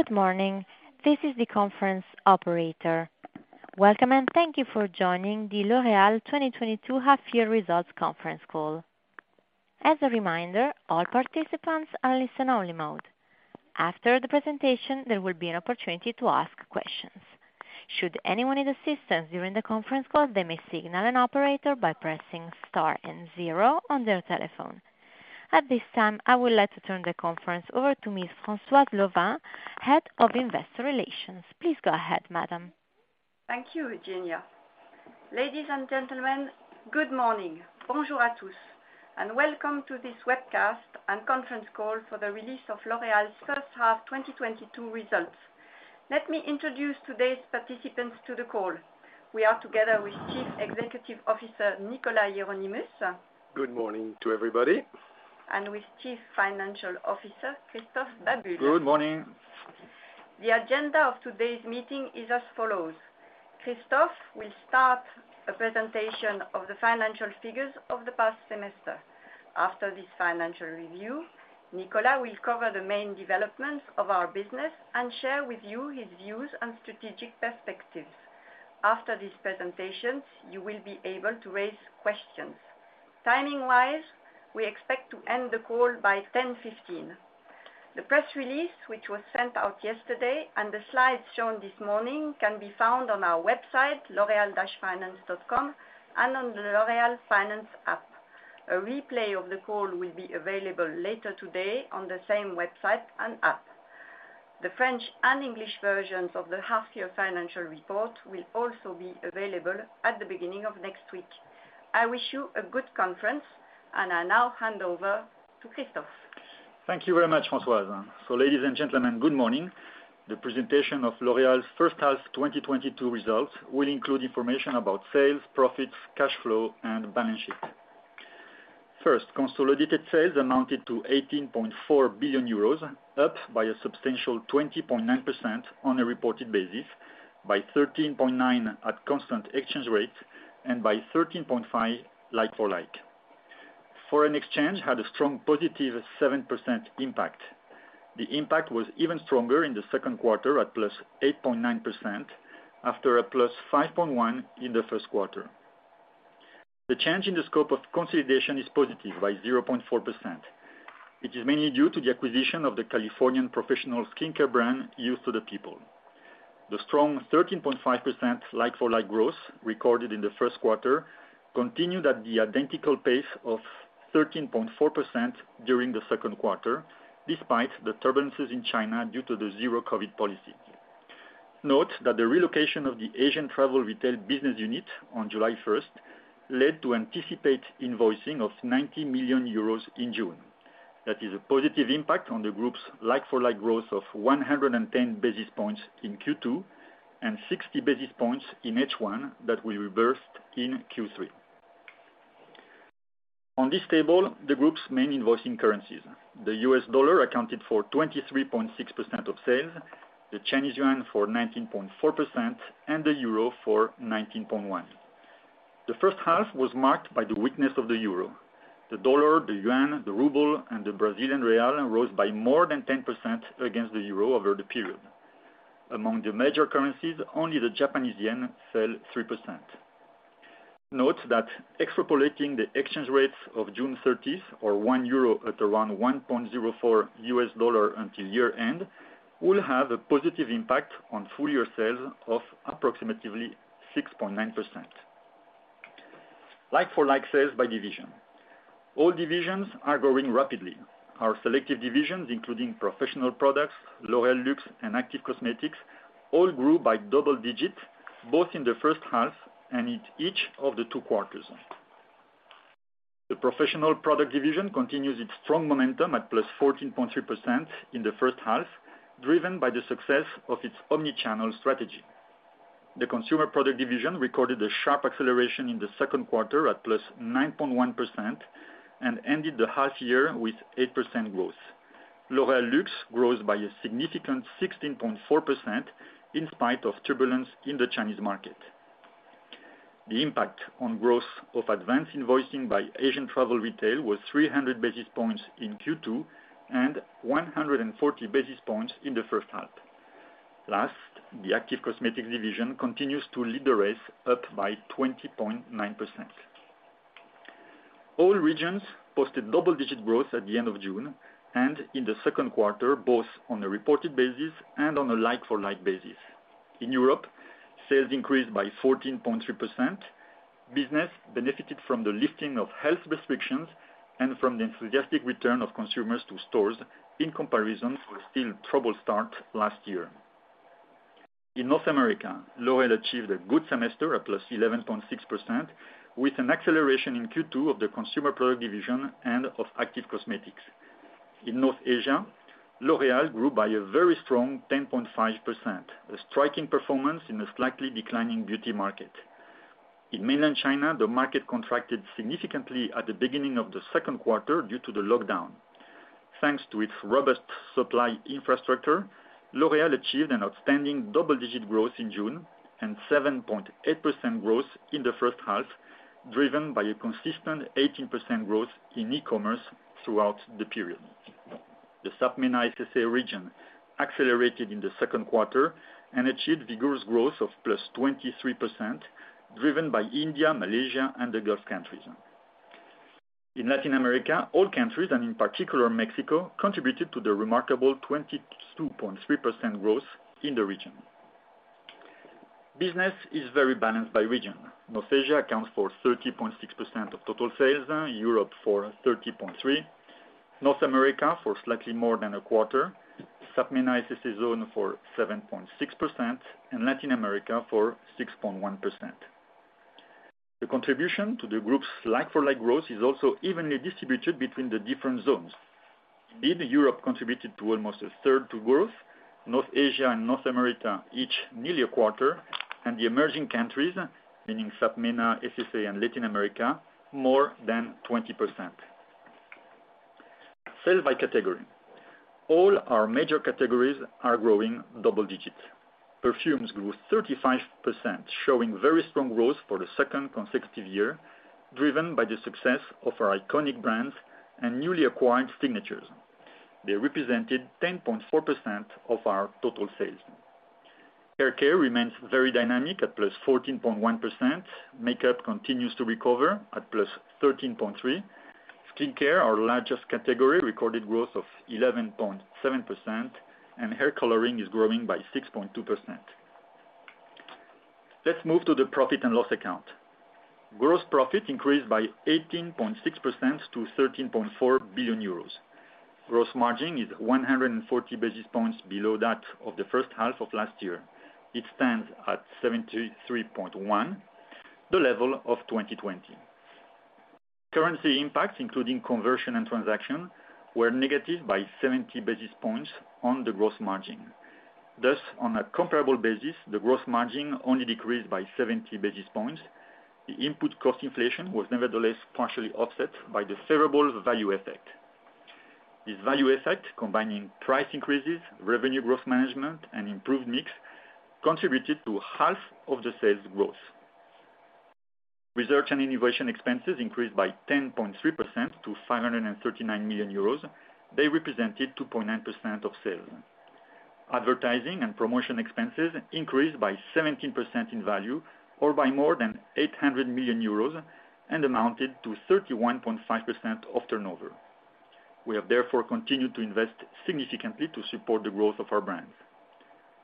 Good morning. This is the conference operator. Welcome, and thank you for joining the L'Oréal 2022 half-year results conference call. As a reminder, all participants are in listen-only mode. After the presentation, there will be an opportunity to ask questions. Should anyone need assistance during the conference call, they may signal an operator by pressing star and zero on their telephone. At this time, I would like to turn the conference over to Ms. Françoise Lauvin, Head of Investor Relations. Please go ahead, madam. Thank you, Eugenia. Ladies and gentlemen, good morning. Bonjour à tous, and welcome to this webcast and conference call for the release of L'Oréal's first half 2022 results. Let me introduce today's participants to the call. We are together with Chief Executive Officer, Nicolas Hieronimus. Good morning to everybody. With Chief Financial Officer, Christophe Babule. Good morning. The agenda of today's meeting is as follows. Christophe will start a presentation of the financial figures of the past semester. After this financial review, Nicolas will cover the main developments of our business and share with you his views on strategic perspectives. After these presentations, you will be able to raise questions. Timing-wise, we expect to end the call by 10:15 A.M. The press release, which was sent out yesterday, and the slides shown this morning can be found on our website, loreal-finance.com, and on the L'Oréal Finance app. A replay of the call will be available later today on the same website and app. The French and English versions of the half-year financial report will also be available at the beginning of next week. I wish you a good conference, and I now hand over to Christophe. Thank you very much, Françoise. Ladies and gentlemen, good morning. The presentation of L'Oréal's first half 2022 results will include information about sales, profits, cash flow, and balance sheet. First, consolidated sales amounted to 18.4 billion euros, up by a substantial 20.9% on a reported basis, by 13.9% at constant exchange rates, and by 13.5% like-for-like. Foreign exchange had a strong positive 7% impact. The impact was even stronger in the Q2 at +8.9% after a +5.1% in the Q1. The change in the scope of consolidation is positive by 0.4%. It is mainly due to the acquisition of the Californian professional skincare brand, Youth to the People. The strong 13.5% like-for-like growth recorded in the Q1 continued at the identical pace of 13.4% during the Q2, despite the turbulences in China due to the zero COVID policy. Note that the relocation of the Asian travel retail business unit on July first led to anticipated invoicing of 90 million euros in June. That is a positive impact on the group's like-for-like growth of 110 basis points in Q2 and 60 basis points in H1 that will reverse in Q3. On this table, the group's main invoicing currencies. The US dollar accounted for 23.6% of sales, the Chinese yuan for 19.4%, and the euro for 19.1%. The first half was marked by the weakness of the euro. The dollar, the yuan, the ruble, and the Brazilian real rose by more than 10% against the euro over the period. Among the major currencies, only the Japanese yen fell 3%. Note that extrapolating the exchange rates of June thirtieth at 1 euro at around 1.04 US dollar until year-end will have a positive impact on full-year sales of approximately 6.9%. Like-for-like sales by division. All divisions are growing rapidly. Our selective divisions, including Professional Products, L'Oréal Luxe, and Active Cosmetics, all grew by double-digit, both in the first half and in each of the two quarters. The Professional Products division continues its strong momentum at +14.3% in the first half, driven by the success of its omni-channel strategy. The Consumer Products Division recorded a sharp acceleration in the Q2 at +9.1% and ended the half year with 8% growth. L'Oréal Luxe grows by a significant 16.4% in spite of turbulence in the Chinese market. The impact on growth of advanced invoicing by Asian travel retail was 300 basis points in Q2 and 140 basis points in the first half. Last, the Active Cosmetics Division continues to lead the race up by 20.9%. All regions posted double-digit growth at the end of June and in the Q2, both on a reported basis and on a like-for-like basis. In Europe, sales increased by 14.3%. Business benefited from the lifting of health restrictions and from the enthusiastic return of consumers to stores in comparison to a still troubled start last year. In North America, L'Oréal achieved a good semester at +11.6%, with an acceleration in Q2 of the Consumer Products Division and of Active Cosmetics. In North Asia, L'Oréal grew by a very strong 10.5%, a striking performance in a slightly declining beauty market. In Mainland China, the market contracted significantly at the beginning of the Q2 due to the lockdown. Thanks to its robust supply infrastructure, L'Oréal achieved an outstanding double-digit growth in June and 7.8% growth in the first half, driven by a consistent 18% growth in e-commerce throughout the period. The SAPMENA–SSA region accelerated in the Q2 and achieved vigorous growth of +23%, driven by India, Malaysia, and the Gulf countries. In Latin America, all countries, and in particular Mexico, contributed to the remarkable 22.3% growth in the region. Business is very balanced by region. North Asia accounts for 30.6% of total sales, Europe for 30.3%, North America for slightly more than a quarter, SAPMENA/SSA zone for 7.6%, and Latin America for 6.1%. The contribution to the group's like-for-like growth is also evenly distributed between the different zones. Indeed, Europe contributed almost a third to growth, North Asia and North America, each nearly a quarter, and the emerging countries, meaning SAPMENA, SSA, and Latin America, more than 20%. Sales by category. All our major categories are growing double digit. Perfumes grew 35%, showing very strong growth for the second consecutive year, driven by the success of our iconic brands and newly acquired signatures. They represented 10.4% of our total sales. Hair care remains very dynamic at +14.1%. Makeup continues to recover at +13.3%. Skincare, our largest category, recorded growth of 11.7%, and hair coloring is growing by 6.2%. Let's move to the profit and loss account. Gross profit increased by 18.6% to 13.4 billion euros. Gross margin is 140 basis points below that of the first half of last year. It stands at 73.1, the level of 2020. Currency impacts, including conversion and transaction, were negative by 70 basis points on the gross margin. Thus, on a comparable basis, the gross margin only decreased by 70 basis points. The input cost inflation was nevertheless partially offset by the favorable value effect. This value effect, combining price increases, revenue growth management, and improved mix, contributed to half of the sales growth. Research and innovation expenses increased by 10.3% to 539 million euros. They represented 2.9% of sales. Advertising and promotion expenses increased by 17% in value or by more than 800 million euros and amounted to 31.5% of turnover. We have therefore continued to invest significantly to support the growth of our brands.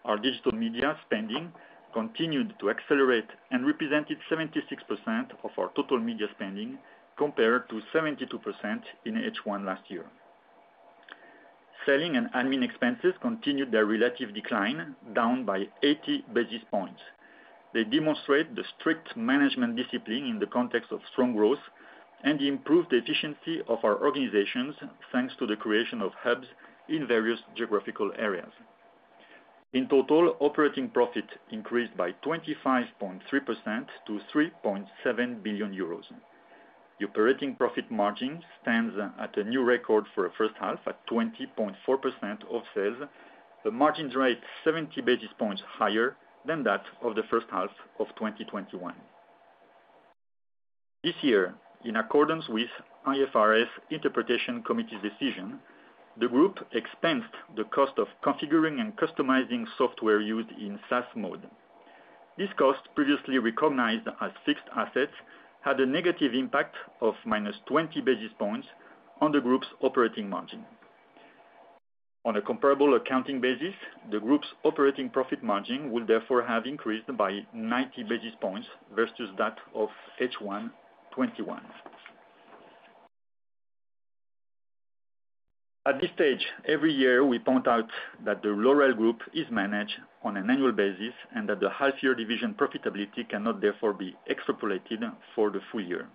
Our digital media spending continued to accelerate and represented 76% of our total media spending compared to 72% in H1 last year. Selling and admin expenses continued their relative decline, down by 80 basis points. They demonstrate the strict management discipline in the context of strong growth and the improved efficiency of our organizations, thanks to the creation of hubs in various geographical areas. In total, operating profit increased by 25.3% to 3.7 billion euros. The operating profit margin stands at a new record for a first half at 20.4% of sales, the margin rate 70 basis points higher than that of the first half of 2021. This year, in accordance with IFRS interpretation committee's decision, the group expensed the cost of configuring and customizing software used in SaaS mode. This cost, previously recognized as fixed assets, had a negative impact of -20 basis points on the group's operating margin. On a comparable accounting basis, the group's operating profit margin will therefore have increased by 90 basis points versus that of H1 2021. At this stage, every year, we point out that the L'Oréal Group is managed on an annual basis and that the half year division profitability cannot therefore be extrapolated for the full year.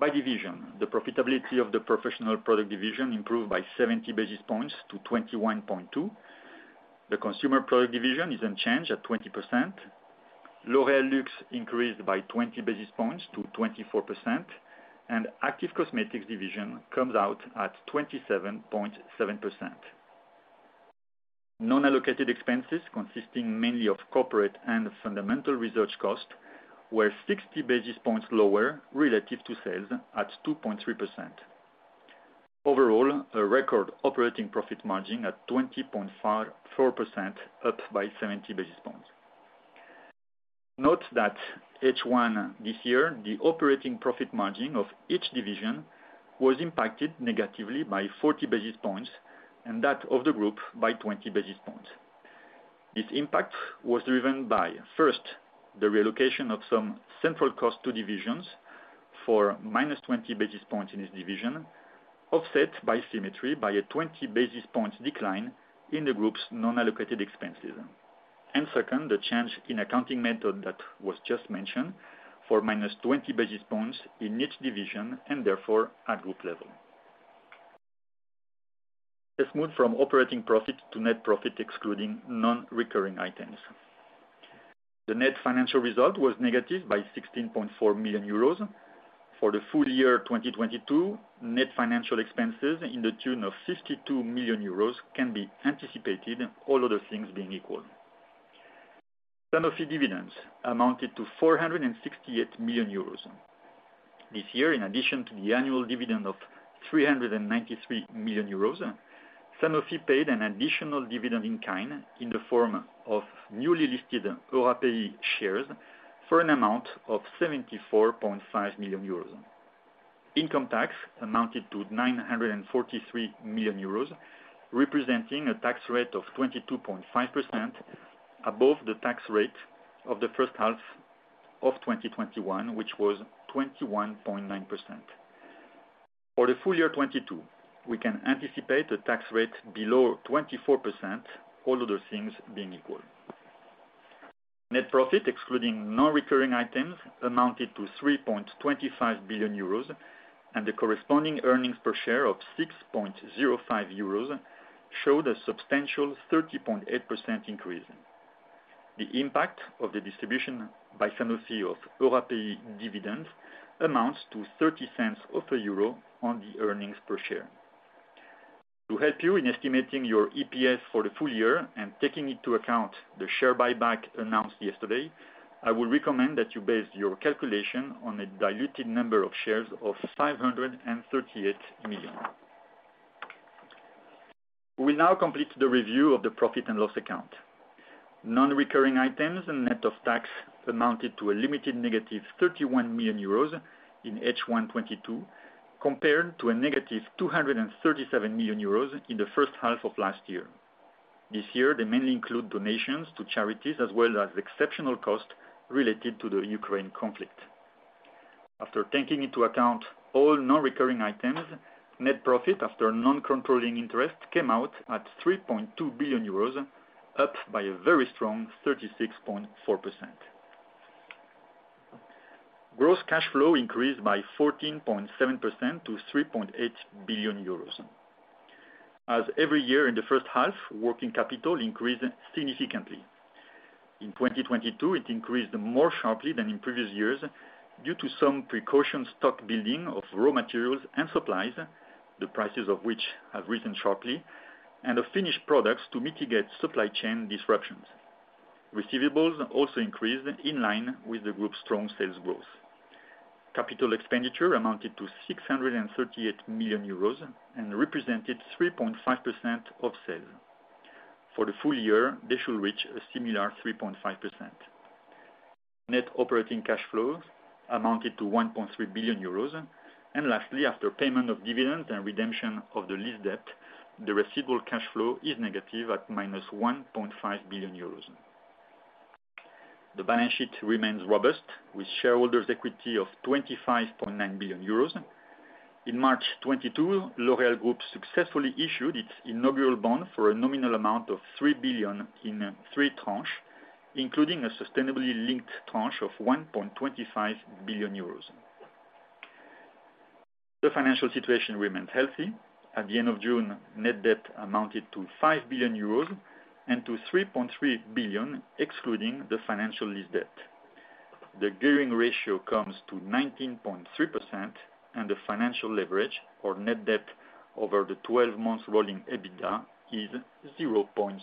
By division, the profitability of the Professional Products Division improved by 70 basis points to 21.2%. The Consumer Products Division is unchanged at 20%. L'Oréal Luxe increased by 20 basis points to 24%, and Active Cosmetics Division comes out at 27.7%. Non-allocated expenses, consisting mainly of corporate and fundamental research costs, were 60 basis points lower relative to sales at 2.3%. Overall, a record operating profit margin at 20.4%, up by 70 basis points. Note that H1 this year, the operating profit margin of each division was impacted negatively by 40 basis points, and that of the group by 20 basis points. This impact was driven by, first, the relocation of some central cost to divisions for -20 basis points in this division, offset symmetrically by a 20 basis points decline in the group's non-allocated expenses. Second, the change in accounting method that was just mentioned for -20 basis points in each division and therefore at group level. Let's move from operating profit to net profit, excluding non-recurring items. The net financial result was negative by 16.4 million euros. For the full year 2022, net financial expenses to the tune of 52 million euros can be anticipated, all other things being equal. Sanofi dividends amounted to 468 million euros. This year, in addition to the annual dividend of 393 million euros, Sanofi paid an additional dividend in kind in the form of newly listed EUROAPI shares for an amount of 74.5 million euros. Income tax amounted to 943 million euros, representing a tax rate of 22.5%, above the tax rate of the first half of 2021, which was 21.9%. For the full year 2022, we can anticipate a tax rate below 24%, all other things being equal. Net profit, excluding non-recurring items, amounted to 3.25 billion euros, and the corresponding earnings per share of 6.05 euros showed a substantial 30.8% increase. The impact of the distribution by Sanofi of EUROAPI dividend amounts to 0.30 on the earnings per share. To help you in estimating your EPS for the full year and taking into account the share buyback announced yesterday, I would recommend that you base your calculation on a diluted number of shares of 538 million. We now complete the review of the profit and loss account. Non-recurring items and net of tax amounted to a limited negative 31 million euros in H1 2022 compared to a negative 237 million euros in the first half of last year. This year, they mainly include donations to charities, as well as exceptional costs related to the Ukraine conflict. After taking into account all non-recurring items, net profit after non-controlling interest came out at 3.2 billion euros, up by a very strong 36.4%. Gross cash flow increased by 14.7% to 3.8 billion euros. As every year in the first half, working capital increased significantly. In 2022, it increased more sharply than in previous years due to some precautionary stock building of raw materials and supplies, the prices of which have risen sharply and of finished products to mitigate supply chain disruptions. Receivables also increased in line with the group's strong sales growth. Capital expenditure amounted to 638 million euros and represented 3.5% of sales. For the full year, they should reach a similar 3.5%. Net operating cash flows amounted to 1.3 billion euros. Lastly, after payment of dividends and redemption of the lease debt, the resulting cash flow is negative at -1.5 billion euros. The balance sheet remains robust, with shareholders' equity of 25.9 billion euros. In March 2022, L'Oréal Group successfully issued its inaugural bond for a nominal amount of 3 billion in 3 tranches, including a sustainability-linked tranche of 1.25 billion euros. The financial situation remains healthy. At the end of June, net debt amounted to 5 billion euros and to 3.3 billion excluding the financial lease debt. The gearing ratio comes to 19.3%, and the financial leverage or net debt over the 12 months rolling EBITDA is 0.6.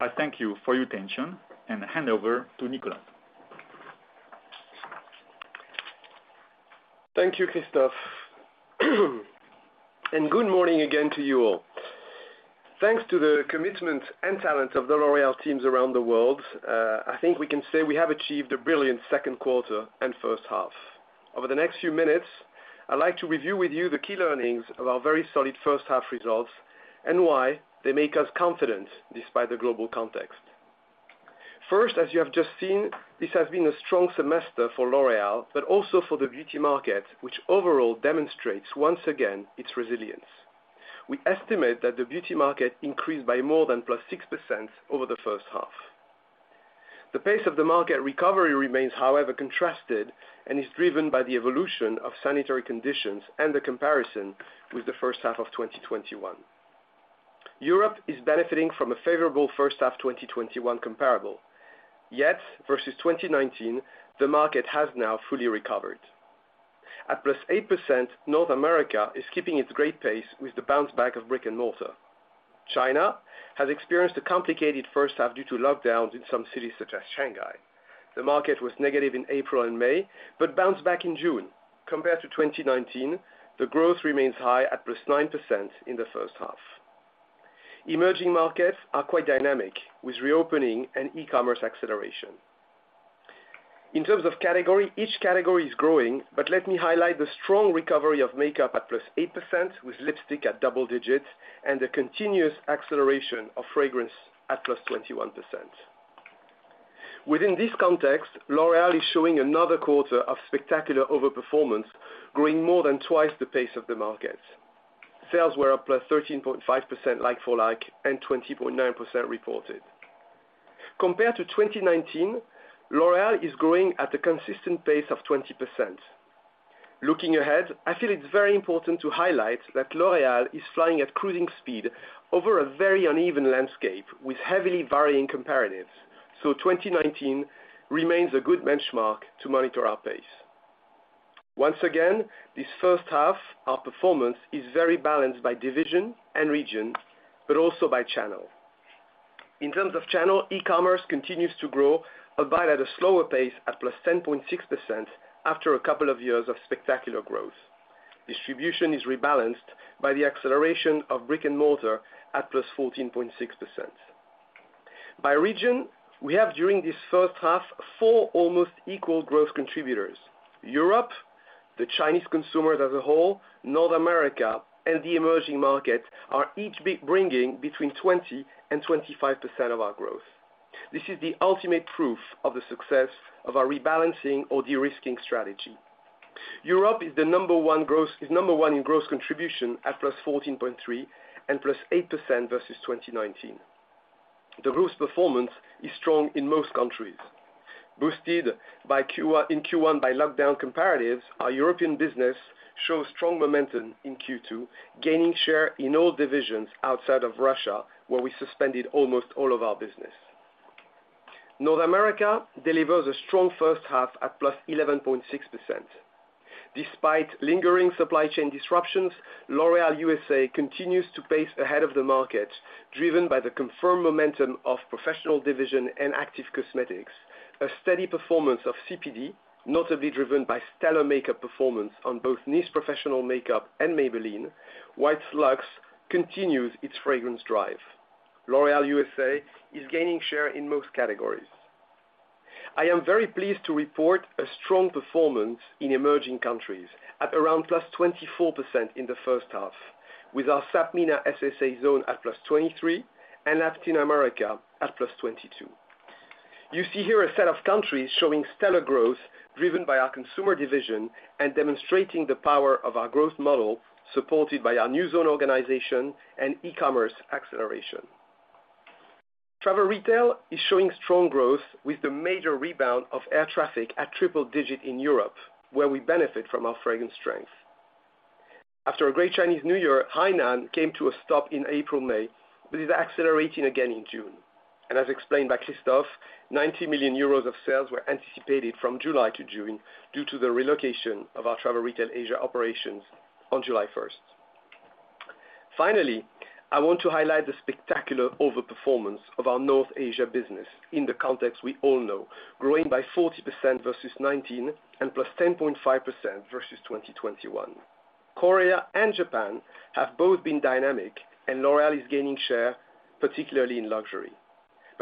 I thank you for your attention and hand over to Nicolas Hieronimus. Thank you, Christophe. Good morning again to you all. Thanks to the commitment and talent of the L'Oréal teams around the world, I think we can say we have achieved a brilliant Q2 and first half. Over the next few minutes, I'd like to review with you the key learnings of our very solid first half results and why they make us confident despite the global context. First, as you have just seen, this has been a strong semester for L'Oréal, but also for the beauty market, which overall demonstrates once again its resilience. We estimate that the beauty market increased by more than +6% over the first half. The pace of the market recovery remains, however, contrasted and is driven by the evolution of sanitary conditions and the comparison with the first half of 2021. Europe is benefiting from a favorable first half 2021 comparable. Yet, versus 2019, the market has now fully recovered. At +8%, North America is keeping its great pace with the bounce back of brick and mortar. China has experienced a complicated first half due to lockdowns in some cities, such as Shanghai. The market was negative in April and May, but bounced back in June. Compared to 2019, the growth remains high at +9% in the first half. Emerging markets are quite dynamic with reopening and e-commerce acceleration. In terms of category, each category is growing, but let me highlight the strong recovery of makeup at +8%, with lipstick at double digits, and a continuous acceleration of fragrance at +21%. Within this context, L'Oréal is showing another quarter of spectacular overperformance, growing more than twice the pace of the market. Sales were up +13.5% like-for-like, and 20.9% reported. Compared to 2019, L'Oréal is growing at a consistent pace of 20%. Looking ahead, I feel it's very important to highlight that L'Oréal is flying at cruising speed over a very uneven landscape with heavily varying comparatives. 2019 remains a good benchmark to monitor our pace. Once again, this first half, our performance is very balanced by division and region, but also by channel. In terms of channel, e-commerce continues to grow, but at a slower pace at +10.6% after a couple of years of spectacular growth. Distribution is rebalanced by the acceleration of brick and mortar at +14.6%. By region, we have, during this first half, 4 almost equal growth contributors. Europe, the Chinese consumers as a whole, North America, and the emerging markets are each bringing between 20% and 25% of our growth. This is the ultimate proof of the success of our rebalancing or de-risking strategy. Europe is number one in growth contribution at +14.3% and +8% versus 2019. The group's performance is strong in most countries. Boosted in Q1 by lockdown comparatives, our European business shows strong momentum in Q2, gaining share in all divisions outside of Russia, where we suspended almost all of our business. North America delivers a strong first half at +11.6%. Despite lingering supply chain disruptions, L'Oréal USA continues to pace ahead of the market, driven by the confirmed momentum of professional division and active cosmetics. A steady performance of CPD, notably driven by stellar makeup performance on both NYX Professional Makeup and Maybelline, while Luxe continues its fragrance drive. L'Oréal USA is gaining share in most categories. I am very pleased to report a strong performance in emerging countries at around +24% in the first half, with our SAPMENA–SSA zone at +23% and Latin America at +22%. You see here a set of countries showing stellar growth driven by our consumer division and demonstrating the power of our growth model, supported by our new zone organization and e-commerce acceleration. Travel retail is showing strong growth with the major rebound of air traffic at triple-digit in Europe, where we benefit from our fragrance strength. After a great Chinese New Year, Hainan came to a stop in April/May, but is accelerating again in June. As explained by Christophe, 90 million euros of sales were anticipated from July to June due to the relocation of our travel retail Asia operations on July first. Finally, I want to highlight the spectacular over-performance of our North Asia business in the context we all know, growing by 40% versus 2019 and +10.5% versus 2021. Korea and Japan have both been dynamic, and L'Oréal is gaining share, particularly in luxury.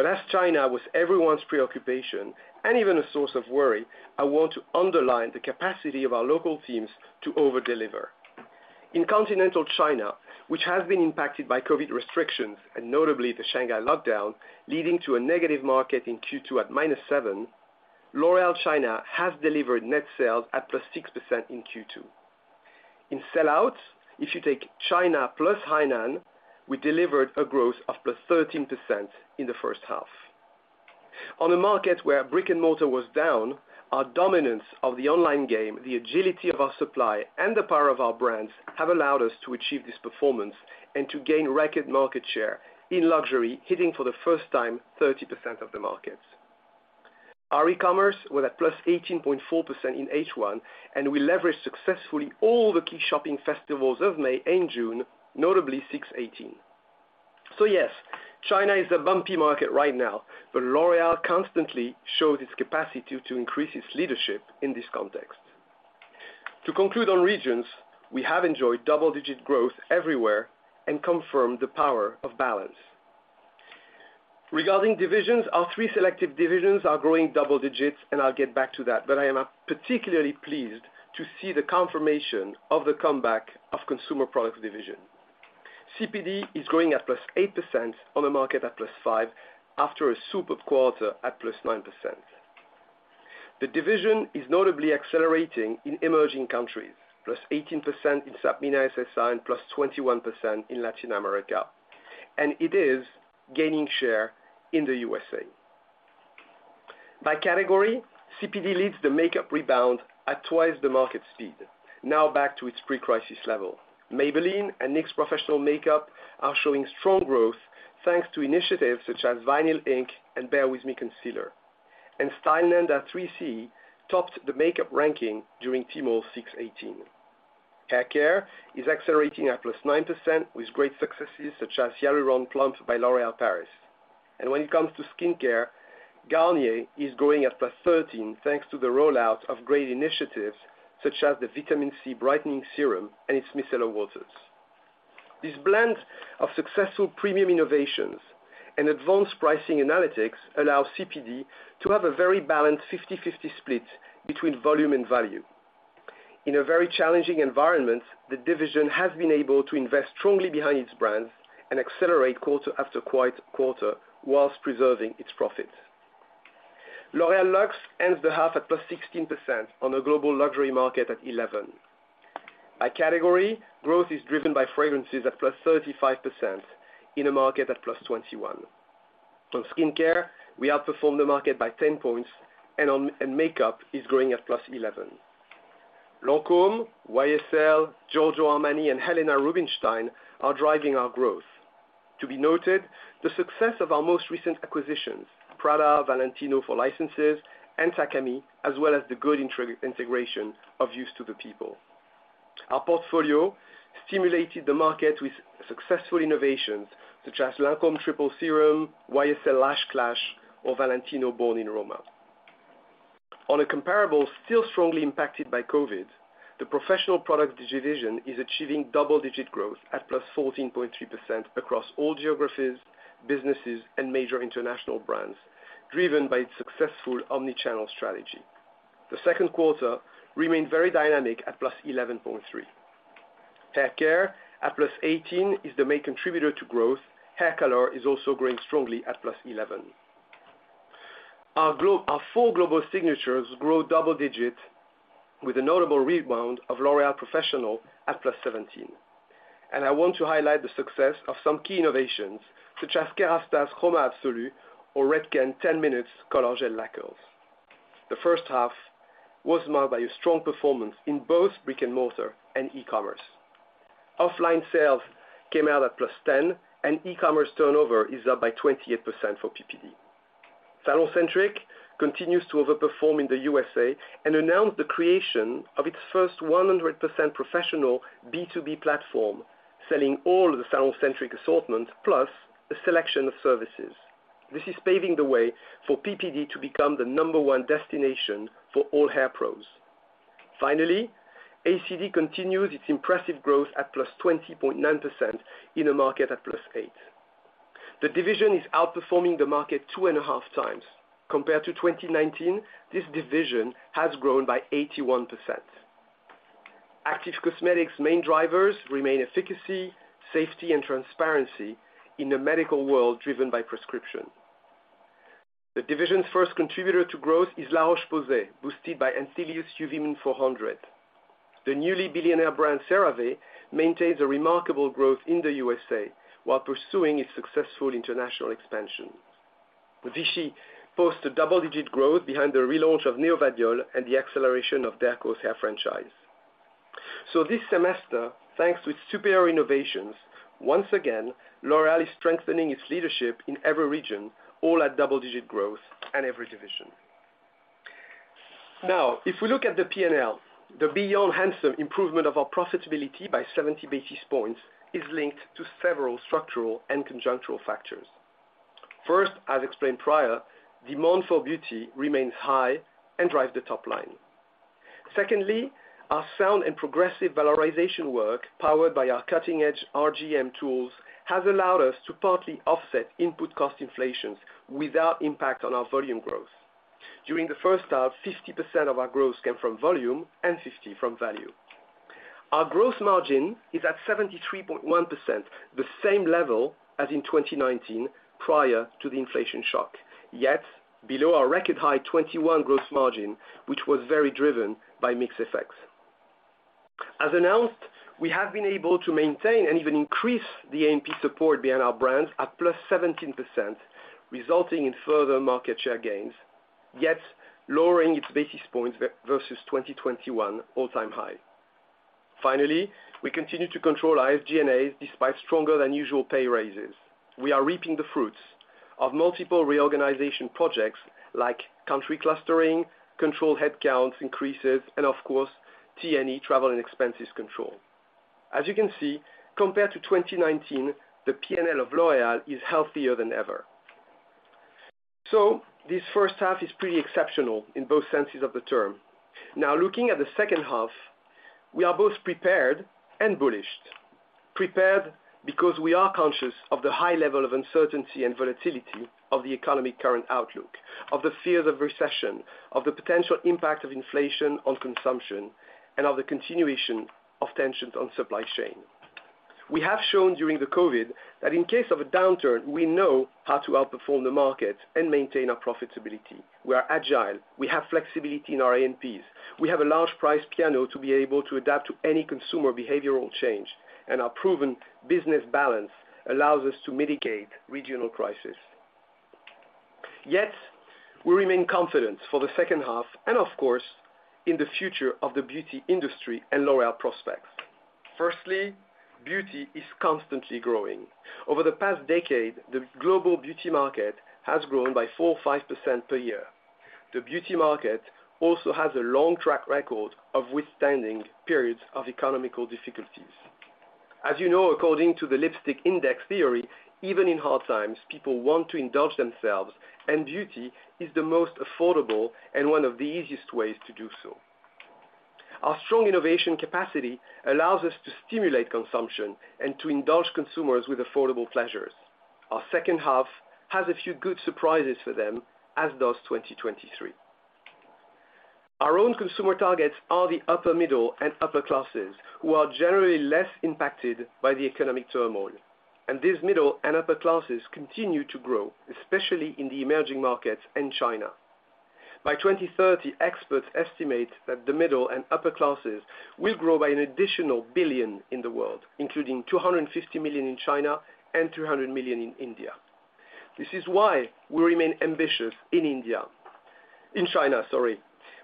As China was everyone's preoccupation and even a source of worry, I want to underline the capacity of our local teams to overdeliver. In continental China, which has been impacted by COVID restrictions and notably the Shanghai lockdown, leading to a negative market in Q2 at -7%, L'Oréal China has delivered net sales at +6% in Q2. In sell-outs, if you take China plus Hainan, we delivered a growth of +13% in the first half. On a market where brick and mortar was down, our dominance of the online game, the agility of our supply, and the power of our brands have allowed us to achieve this performance and to gain record market share in luxury, hitting for the first time 30% of the markets. Our e-commerce was at +18.4% in H1, and we leveraged successfully all the key shopping festivals of May and June, notably 6.18. Yes, China is a bumpy market right now, but L'Oréal constantly shows its capacity to increase its leadership in this context. To conclude on regions, we have enjoyed double-digit growth everywhere and confirmed the power of balance. Regarding divisions, our three selective divisions are growing double digits, and I'll get back to that, but I am particularly pleased to see the confirmation of the comeback of Consumer Products Division. CPD is growing at +8% on a market at +5% after a super quarter at +9%. The division is notably accelerating in emerging countries, +18% in SAPMENA SSA and +21% in Latin America, and it is gaining share in the USA. By category, CPD leads the makeup rebound at twice the market speed, now back to its pre-crisis level. Maybelline and NYX Professional Makeup are showing strong growth thanks to initiatives such as Vinyl Ink and Bare With Me concealer and Styleanda 3CE topped the makeup ranking during Tmall 6.18. Hair care is accelerating at +9% with great successes such as Hyaluron Plump by L'Oréal Paris. When it comes to skincare, Garnier is growing at +13% thanks to the rollout of great initiatives such as the Vitamin C Brightening Serum and its micellar waters. This blend of successful premium innovations and advanced pricing analytics allow CPD to have a very balanced 50/50 split between volume and value. In a very challenging environment, the division has been able to invest strongly behind its brands and accelerate quarter after quarter while preserving its profits. L'Oréal Luxe ends the half at +16% on a global luxury market at 11%. By category, growth is driven by fragrances at +35% in a market at +21%. From skincare, we outperform the market by 10 points, and makeup is growing at +11%. Lancôme, YSL, Giorgio Armani, and Helena Rubinstein are driving our growth. To be noted, the success of our most recent acquisitions, Prada, Valentino for licenses, and Takami, as well as the good integration of Youth to the People. Our portfolio stimulated the market with successful innovations, such as Lancôme Triple Serum, YSL Lash Clash, or Valentino Born in Roma. On a comparable, still strongly impacted by COVID, the Professional Products Division is achieving double-digit growth at +14.3% across all geographies, businesses, and major international brands, driven by its successful omni-channel strategy. The Q2 remained very dynamic at +11.3%. Hair care, at +18%, is the main contributor to growth. Hair color is also growing strongly at +11%. Our four global signatures grow double-digit with a notable rebound of L'Oréal Professionnel at +17%. I want to highlight the success of some key innovations, such as Kérastase Chroma Absolu or Redken 10 Minutes Color Gels Lacquers. The first half was marked by a strong performance in both brick-and-mortar and e-commerce. Offline sales came out at +10%, and e-commerce turnover is up by 28% for PPD. SalonCentric continues to overperform in the USA and announced the creation of its first 100% professional B2B platform, selling all the SalonCentric assortment plus a selection of services. This is paving the way for PPD to become the number one destination for all hair pros. Finally, ACD continues its impressive growth at +20.9% in a market at +8%. The division is outperforming the market two and a half times. Compared to 2019, this division has grown by 81%. Active cosmetics main drivers remain efficacy, safety, and transparency in the medical world driven by prescription. The division's first contributor to growth is La Roche-Posay, boosted by Anthelios UVMUNE 400. The newly billionaire brand, CeraVe, maintains a remarkable growth in the USA while pursuing its successful international expansion. Vichy posts a double-digit growth behind the relaunch of Neovadiol and the acceleration of Dercos hair franchise. This semester, thanks to its superior innovations, once again, L'Oréal is strengthening its leadership in every region, all at double-digit growth in every division. Now, if we look at the P&L, the beyond handsome improvement of our profitability by 70 basis points is linked to several structural and conjunctural factors. First, as explained prior, demand for beauty remains high and drives the top line. Secondly, our sound and progressive valorization work powered by our cutting-edge RGM tools has allowed us to partly offset input cost inflations without impact on our volume growth. During the first half, 50% of our growth came from volume and 50% from value. Our gross margin is at 73.1%, the same level as in 2019 prior to the inflation shock, yet below our record high 2021 gross margin, which was very driven by mix effects. As announced, we have been able to maintain and even increase the A&P support behind our brands at +17%, resulting in further market share gains, yet lowering its basis points versus 2021 all-time high. Finally, we continue to control our SG&As despite stronger than usual pay raises. We are reaping the fruits of multiple reorganization projects like country clustering, controlled headcount increases, and of course, T&E, travel and expenses control. As you can see, compared to 2019, the P&L of L'Oréal is healthier than ever. This first half is pretty exceptional in both senses of the term. Now looking at the second half, we are both prepared and bullish. Prepared because we are conscious of the high level of uncertainty and volatility of the economy's current outlook, of the fears of recession, of the potential impact of inflation on consumption, and of the continuation of tensions on supply chain. We have shown during the COVID that in case of a downturn, we know how to outperform the market and maintain our profitability. We are agile. We have flexibility in our A&Ps. We have a large price piano to be able to adapt to any consumer behavioral change, and our proven business balance allows us to mitigate regional crisis. Yet, we remain confident for the second half and of course, in the future of the beauty industry and L'Oréal prospects. Firstly, beauty is constantly growing. Over the past decade, the global beauty market has grown by 4% or 5% per year. The beauty market also has a long track record of withstanding periods of economic difficulties. As you know, according to the lipstick index theory, even in hard times, people want to indulge themselves, and beauty is the most affordable and one of the easiest ways to do so. Our strong innovation capacity allows us to stimulate consumption and to indulge consumers with affordable pleasures. Our second half has a few good surprises for them, as does 2023. Our own consumer targets are the upper middle and upper classes, who are generally less impacted by the economic turmoil. These middle and upper classes continue to grow, especially in the emerging markets and China. By 2030, experts estimate that the middle and upper classes will grow by an additional billion in the world, including 250 million in China and 200 million in India. This is why we remain ambitious in China, sorry.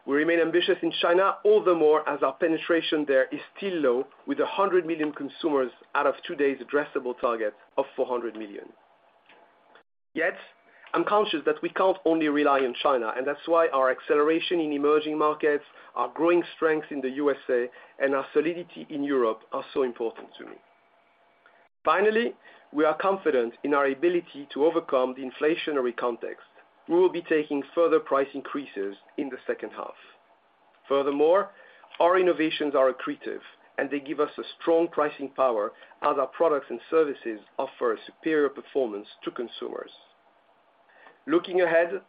We remain ambitious in China all the more as our penetration there is still low, with 100 million consumers out of today's addressable target of 400 million. Yet I'm conscious that we can't only rely on China, and that's why our acceleration in emerging markets, our growing strength in the USA, and our solidity in Europe are so important to me. Finally, we are confident in our ability to overcome the inflationary context. We will be taking further price increases in the second half. Furthermore, our innovations are accretive, and they give us a strong pricing power as our products and services offer a superior performance to consumers. Looking ahead,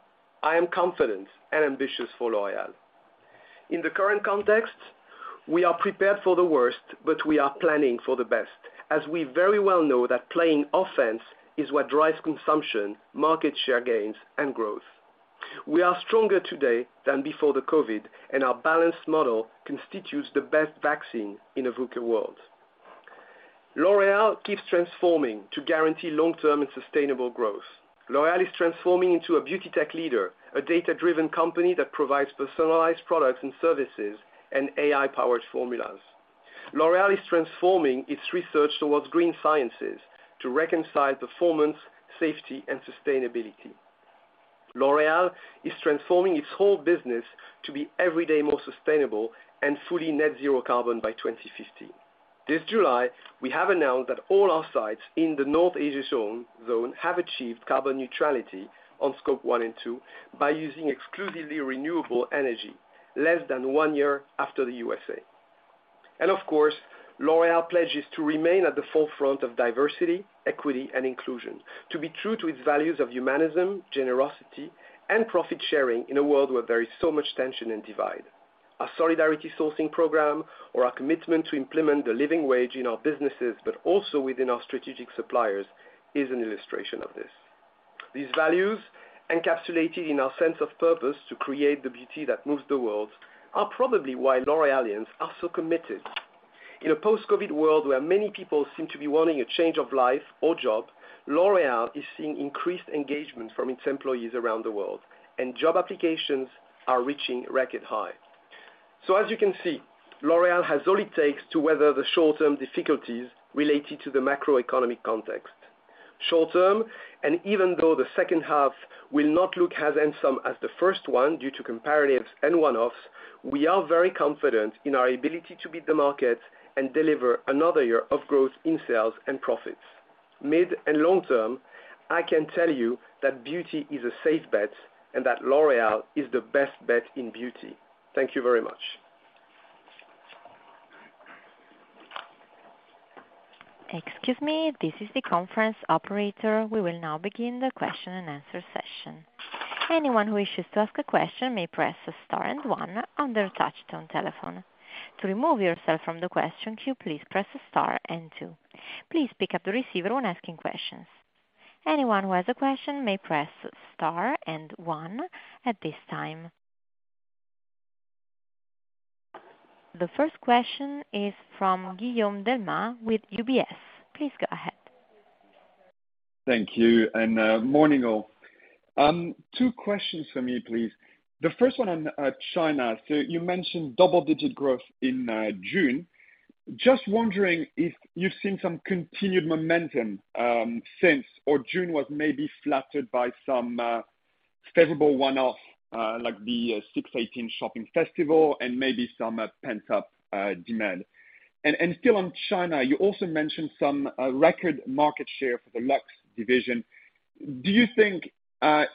I am confident and ambitious for L'Oréal. In the current context, we are prepared for the worst, but we are planning for the best, as we very well know that playing offense is what drives consumption, market share gains, and growth. We are stronger today than before the COVID, and our balanced model constitutes the best vaccine in a VUCA world. L'Oréal keeps transforming to guarantee long-term and sustainable growth. L'Oréal is transforming into a Beauty Tech leader, a data-driven company that provides personalized products and services and AI-powered formulas. L'Oréal is transforming its research towards Green Sciences to reconcile performance, safety, and sustainability. L'Oréal is transforming its whole business to be every day more sustainable and fully net zero carbon by 2050. This July, we have announced that all our sites in the North Asia zone have achieved carbon neutrality on Scope 1 and 2 by using exclusively renewable energy, less than one year after the USA. Of course, L'Oréal pledges to remain at the forefront of diversity, equity, and inclusion, to be true to its values of humanism, generosity, and profit-sharing in a world where there is so much tension and divide. Our Solidarity Sourcing program or our commitment to implement the living wage in our businesses, but also within our strategic suppliers is an illustration of this. These values, encapsulated in our sense of purpose to create the beauty that moves the world, are probably why L'Oréalians are so committed. In a post-COVID world where many people seem to be wanting a change of life or job, L'Oréal is seeing increased engagement from its employees around the world, and job applications are reaching record high. As you can see, L'Oréal has all it takes to weather the short-term difficulties related to the macroeconomic context. Short-term, and even though the second half will not look as handsome as the first one due to comparatives and one-offs, we are very confident in our ability to beat the market and deliver another year of growth in sales and profits. Mid and long term, I can tell you that beauty is a safe bet and that L'Oréal is the best bet in beauty. Thank you very much. Excuse me, this is the conference operator. We will now begin the question-and-answer session. Anyone who wishes to ask a question may press star and one on their touchtone telephone. To remove yourself from the question queue, please press star and two. Please pick up the receiver when asking questions. Anyone who has a question may press star and one at this time. The first question is from Guillaume Delmas with UBS. Please go ahead. Thank you, morning, all. Two questions for me, please. The first one on China. You mentioned double-digit growth in June. Just wondering if you've seen some continued momentum since, or June was maybe flattered by some favorable one-off like the 6.18 shopping festival and maybe some pent-up demand. And still on China, you also mentioned some record market share for the Luxe division. Do you think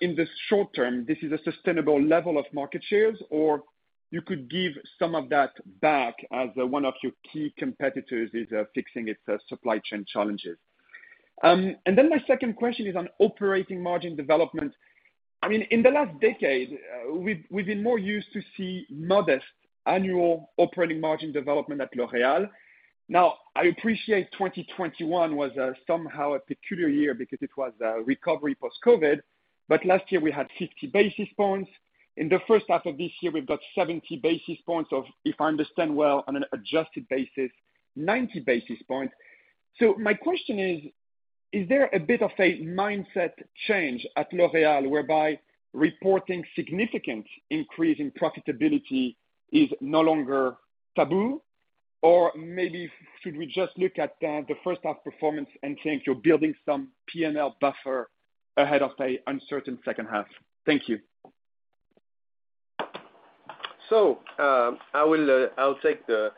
in the short term, this is a sustainable level of market shares, or you could give some of that back as one of your key competitors is fixing its supply chain challenges? Then my second question is on operating margin development. I mean, in the last decade, we've been more used to see modest annual operating margin development at L'Oréal. Now I appreciate 2021 was somehow a peculiar year because it was a recovery post-COVID, but last year we had 50 basis points. In the first half of this year, we've got 70 basis points of, if I understand well, on an adjusted basis, 90 basis points. So my question is there a bit of a mindset change at L'Oréal whereby reporting significant increase in profitability is no longer taboo? Or maybe should we just look at the first half performance and think you're building some P&L buffer ahead of an uncertain second half? Thank you. I'll take the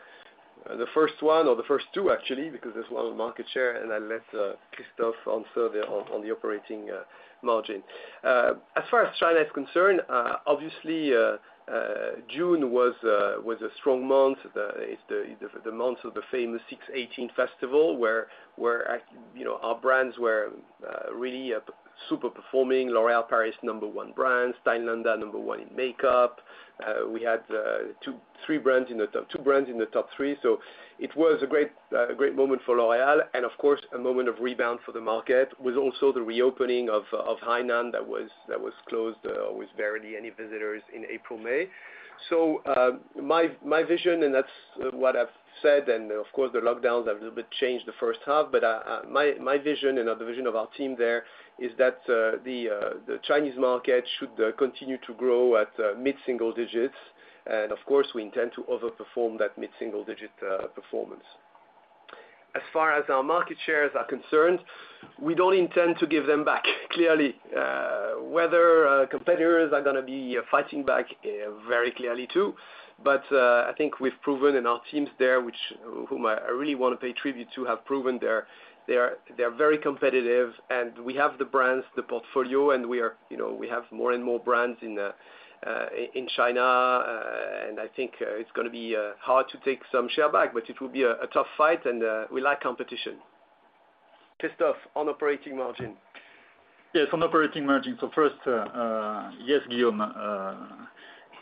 first one or the first two, actually, because there's one on market share, and I'll let Christophe answer on the operating margin. As far as China is concerned, obviously, June was a strong month. It's the month of the famous 6.18 festival where you know, our brands were really super performing. L'Oréal Paris, number one brand. Estée Lauder, number one in makeup. We had two-three brands in the top, two brands in the top three. It was a great moment for L'Oréal and of course, a moment of rebound for the market. was also the reopening of Hainan that was closed with barely any visitors in April, May. My vision, and that's what I've said, and of course, the lockdowns have a bit changed the first half, my vision and the vision of our team there is that the Chinese market should continue to grow at mid-single digits. Of course, we intend to overperform that mid-single digit performance. As far as our market shares are concerned, we don't intend to give them back clearly. Whether competitors are gonna be fighting back very clearly, too. I think we've proven, and our teams there whom I really wanna pay tribute to, have proven they're very competitive, and we have the brands, the portfolio, and we are, you know, we have more and more brands in China. I think it's gonna be hard to take some share back, but it will be a tough fight and we like competition. Christophe, on operating margin. Yes, on operating margin. First, yes, Guillaume,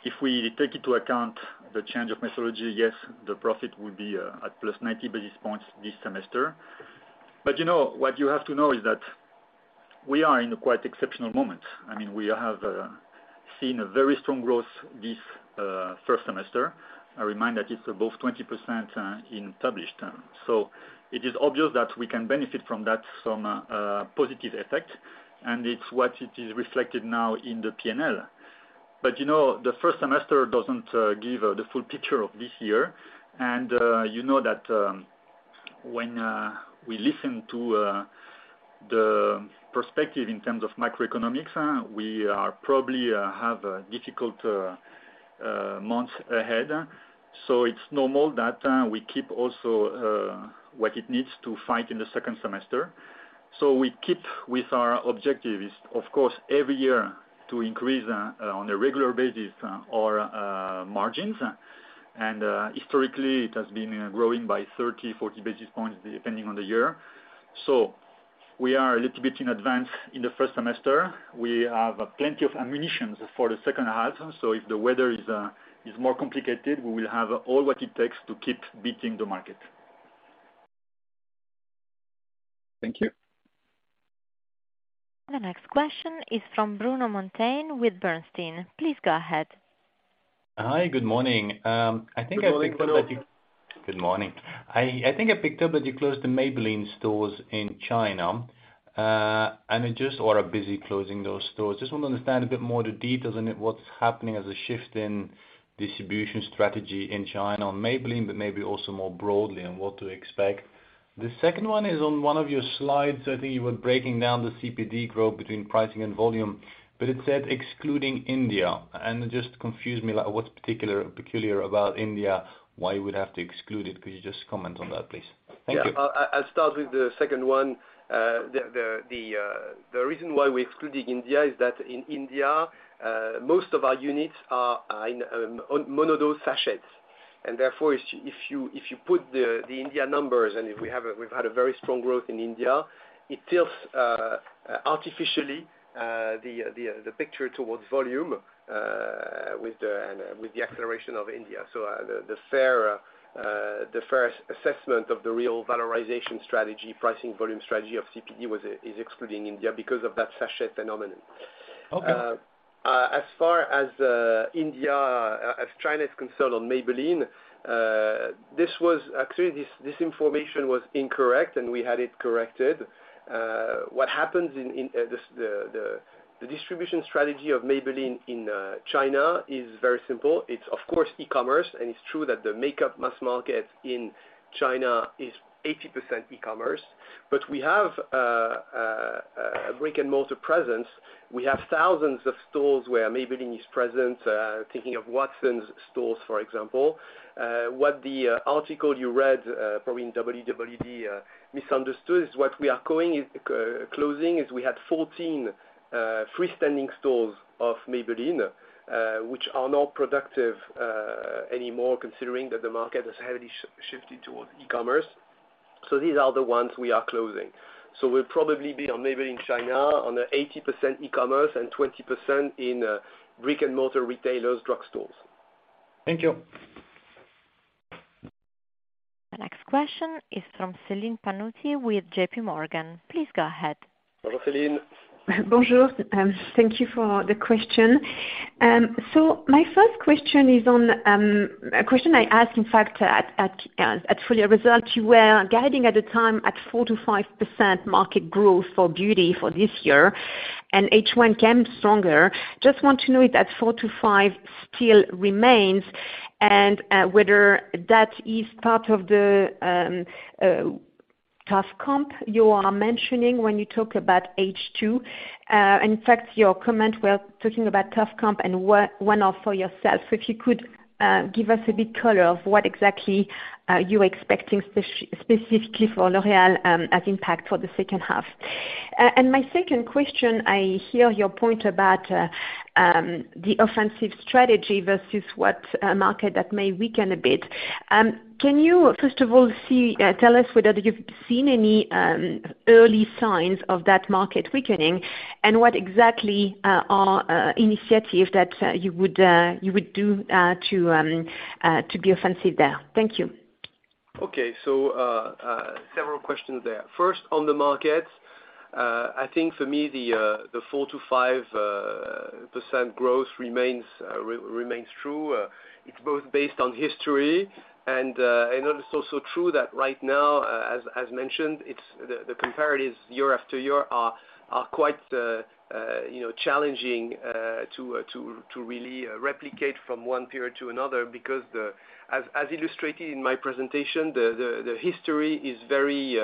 if we take into account the change of methodology, yes, the profit will be at +90 basis points this semester. You know, what you have to know is that we are in a quite exceptional moment. I mean, we have seen a very strong growth this first semester. I remind that it's above 20%, in published terms. It is obvious that we can benefit from that positive effect, and it's what it is reflected now in the P&L. You know, the first semester doesn't give the full picture of this year. You know that, when we listen to the perspective in terms of macroeconomics, we are probably have a difficult months ahead. It's normal that we keep also what it needs to fight in the second semester. We keep with our objective is, of course, every year to increase on a regular basis our margins. Historically, it has been growing by 30, 40 basis points depending on the year. We are a little bit in advance in the first semester. We have plenty of ammunition for the second half. If the weather is more complicated, we will have all that it takes to keep beating the market. Thank you. The next question is from Bruno Monteyne with Bernstein. Please go ahead. Hi, good morning. I think I picked up that you- Good morning, Bruno. Good morning. I think I picked up that you closed the Maybelline stores in China, and or are busy closing those stores. Just want to understand a bit more the details in it. What's happening as a shift in distribution strategy in China on Maybelline, but maybe also more broadly, and what to expect. The second one is on one of your slides. I think you were breaking down the CPD growth between pricing and volume, but it said excluding India, and it just confused me. Like, what's peculiar about India, why you would have to exclude it? Could you just comment on that, please? Thank you. Yeah. I'll start with the second one. The reason why we're excluding India is that in India, most of our units are in monodose sachets. Therefore, if you put the India numbers, and we've had a very strong growth in India, it tilts artificially the picture towards volume with the acceleration of India. The fair assessment of the real valorization strategy, pricing volume strategy of CPD is excluding India because of that sachet phenomenon. Okay. As far as India, as China is concerned on Maybelline, actually this information was incorrect, and we had it corrected. What happens in the distribution strategy of Maybelline in China is very simple. It's, of course, e-commerce, and it's true that the makeup mass market in China is 80% e-commerce. We have brick-and-mortar presence. We have thousands of stores where Maybelline is present, thinking of Watsons stores, for example. What the article you read probably in WWD misunderstood is we had 14 freestanding stores of Maybelline, which are not productive anymore considering that the market has heavily shifted towards e-commerce. These are the ones we are closing. We'll probably be on Maybelline China on a 80% e-commerce and 20% in brick-and-mortar retailers/drugstores. Thank you. The next question is from Céline Pannuti with JPMorgan. Please go ahead. Céline. Bonjour. Thank you for the question. My first question is on a question I asked, in fact, at full-year results. You were guiding at the time at 4%-5% market growth for beauty for this year, and H1 came stronger. I want to know if that 4-5 still remains and whether that is part of the tough comp you are mentioning when you talk about H2. In fact, your comments, we are talking about tough comp and one-off for yourself. If you could give us a bit of color on what exactly you are expecting specifically for L'Oréal, the impact for the second half. My second question, I hear your point about the offensive strategy versus what market that may weaken a bit. Can you, first of all, tell us whether you've seen any early signs of that market weakening and what exactly are initiatives that you would do to be offensive there? Thank you. Several questions there. First on the markets, I think for me the 4%-5% growth remains true. It's both based on history and I know it's also true that right now, as mentioned, it's the comparatives year after year are quite you know challenging to really replicate from one period to another because as illustrated in my presentation, the history is very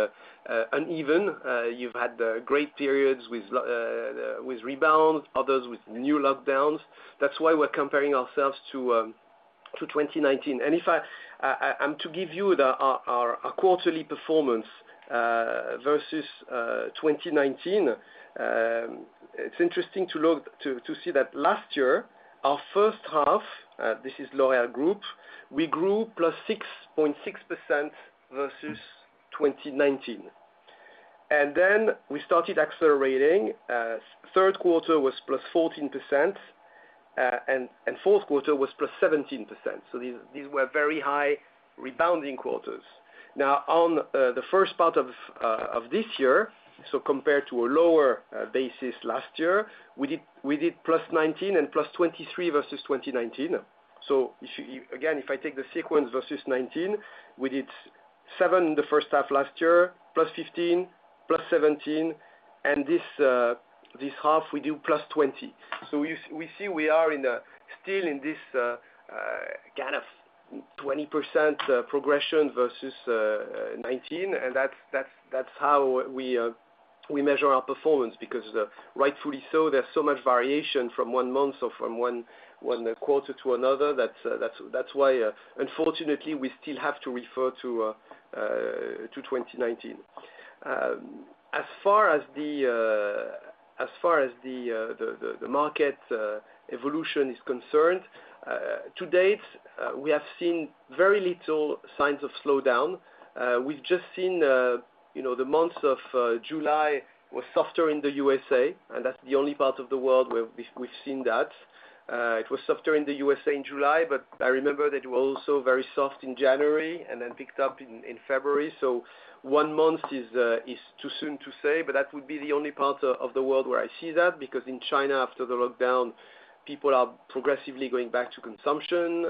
uneven. You've had great periods with rebounds, others with new lockdowns. That's why we're comparing ourselves to 2019. If I'm to give you our quarterly performance versus 2019, it's interesting to look to see that last year, our first half, this is L'Oréal Group, we grew +6.6% versus 2019. Then we started accelerating. Q3 was +14%, and Q4 was +17%. These were very high rebounding quarters. On the first part of this year, compared to a lower basis last year, we did +19% and +23% versus 2019. If you again, if I take the sequence versus 2019, we did 7 the first half last year, +15%, +17%, and this half, we do +20%. We see we are still in this kind of 20% progression versus 2019, and that's how we measure our performance because rightfully so, there's so much variation from one month or from one quarter to another. That's why unfortunately we still have to refer to 2019. As far as the market evolution is concerned, to date, we have seen very little signs of slowdown. We've just seen, you know, the month of July was softer in the USA, and that's the only part of the world where we've seen that. It was softer in the USA in July, but I remember that it was also very soft in January and then picked up in February. One month is too soon to say, but that would be the only part of the world where I see that because in China after the lockdown, people are progressively going back to consumption.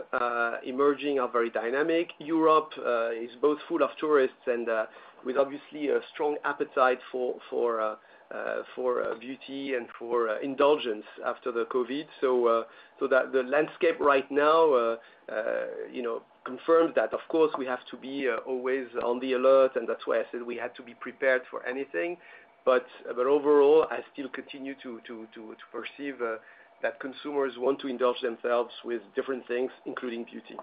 Emerging are very dynamic. Europe is both full of tourists and with obviously a strong appetite for beauty and for indulgence after the COVID. So that the landscape right now, you know, confirms that. Of course, we have to be always on the alert, and that's why I said we had to be prepared for anything. Overall, I still continue to perceive that consumers want to indulge themselves with different things, including beauty.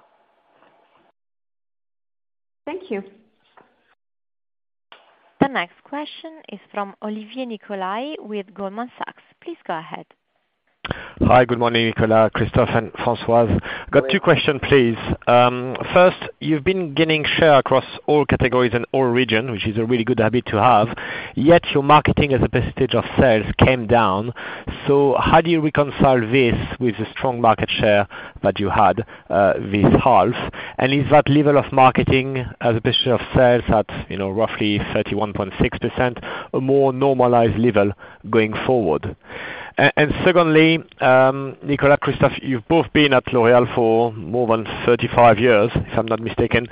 Thank you. The next question is from Olivier Nicolai with Goldman Sachs. Please go ahead. Hi, good morning, Nicolas, Christophe, and Françoise. Got two questions, please. First, you've been gaining share across all categories and all regions, which is a really good habit to have, yet your marketing as a percentage of sales came down. How do you reconcile this with the strong market share that you had this half? Is that level of marketing as a percentage of sales at, you know, roughly 31.6% a more normalized level going forward? And secondly, Nicolas, Christophe, you've both been at L'Oréal for more than 35 years, if I'm not mistaken.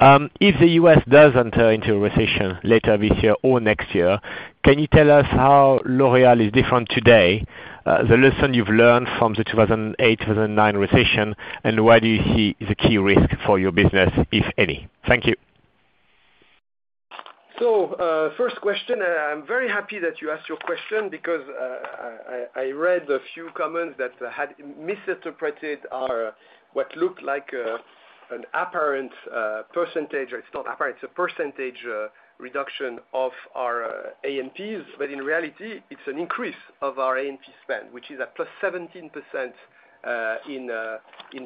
If the U.S. does enter into a recession later this year or next year, can you tell us how L'Oréal is different today, the lesson you've learned from the 2008, 2009 recession, and where do you see the key risk for your business, if any? Thank you. First question, I'm very happy that you asked your question because I read a few comments that had misinterpreted our what looked like an apparent percentage. It's not apparent, it's a percentage reduction of our A&Ps, but in reality, it's an increase of our A&P spend, which is at +17% in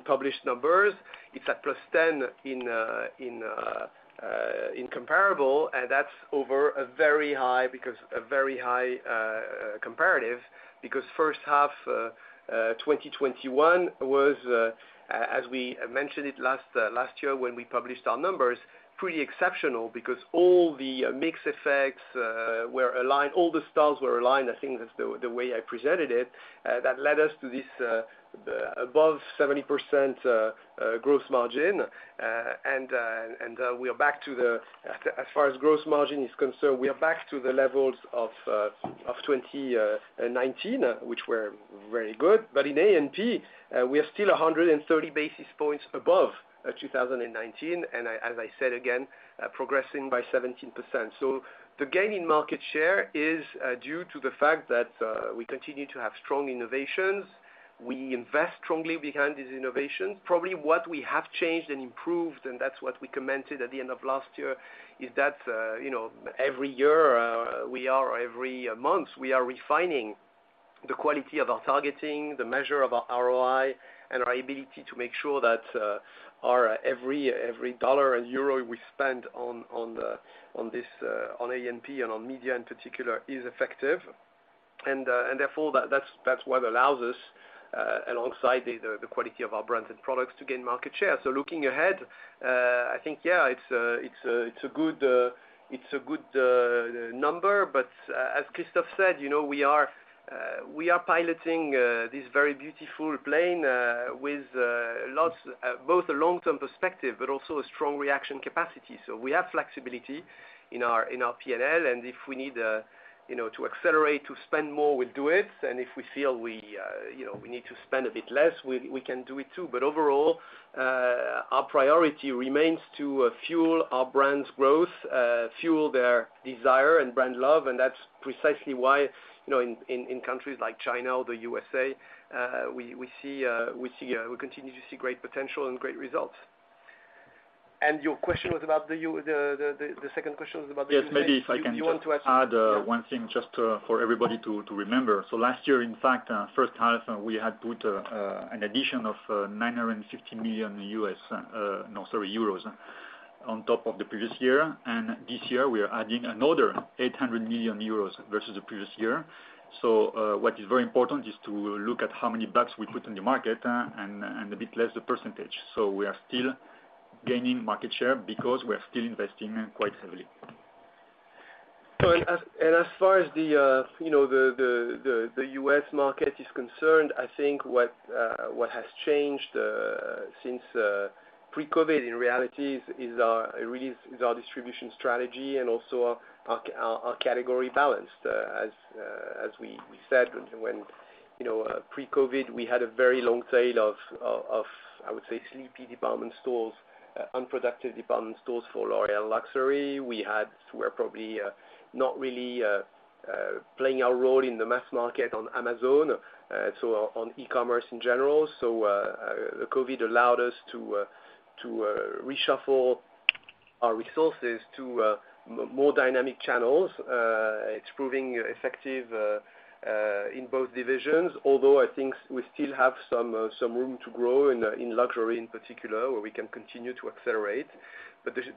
published numbers. It's at +10% in comparable, and that's over a very high comparative, because first half of 2021 was, as we mentioned it last year when we published our numbers, pretty exceptional because all the mix effects were aligned, all the stars were aligned. I think that's the way I presented it. That led us to this above 70% gross margin. As far as gross margin is concerned, we are back to the levels of 2019, which were very good. In A&P, we are still 130 basis points above 2019, and as I said again, progressing by 17%. The gain in market share is due to the fact that we continue to have strong innovations. We invest strongly behind these innovations. Probably what we have changed and improved, and that's what we commented at the end of last year, is that you know every year every month we are refining the quality of our targeting, the measure of our ROI, and our ability to make sure that our every dollar and euro we spend on A&P and on media in particular is effective. Therefore that's what allows us alongside the quality of our brands and products to gain market share. Looking ahead I think yeah it's a good number. As Christophe said you know we are piloting this very beautiful plane with both the long-term perspective but also a strong reaction capacity. We have flexibility in our P&L, and if we need, you know, to accelerate to spend more, we'll do it. If we feel, you know, we need to spend a bit less, we can do it too. Overall, our priority remains to fuel our brands' growth, fuel their desire and brand love, and that's precisely why, you know, in countries like China or the USA, we continue to see great potential and great results. Your question was about the U.S. The second question was about the business? Yes. Maybe if I can just. You want to add? Yeah. Add one thing just to for everybody to remember. Last year, in fact, first half, we had put an addition of 950 million euros on top of the previous year. This year, we are adding another 800 million euros versus the previous year. What is very important is to look at how many bucks we put in the market and a bit less the percentage. We are still gaining market share because we are still investing quite heavily. As far as the U.S. market is concerned, you know, I think what has changed since pre-COVID in reality is our distribution strategy and also our category balance. As we said, you know, pre-COVID, we had a very long tail of, I would say, sleepy department stores, unproductive department stores for L'Oréal Luxe. We were probably not really playing our role in the mass market on Amazon, so on e-commerce in general. The COVID allowed us to reshuffle our resources to more dynamic channels. It's proving effective in both divisions, although I think we still have some room to grow in luxury in particular, where we can continue to accelerate.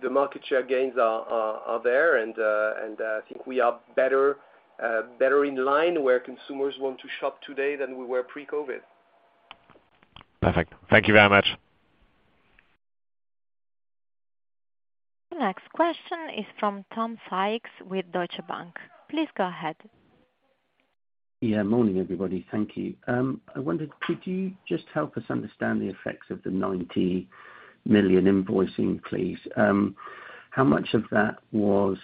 The market share gains are there and I think we are better in line where consumers want to shop today than we were pre-COVID. Perfect. Thank you very much. Next question is from Tom Sykes with Deutsche Bank. Please go ahead. Yeah. Morning, everybody. Thank you. I wondered, could you just help us understand the effects of the 90 million invoicing, please? How much of that was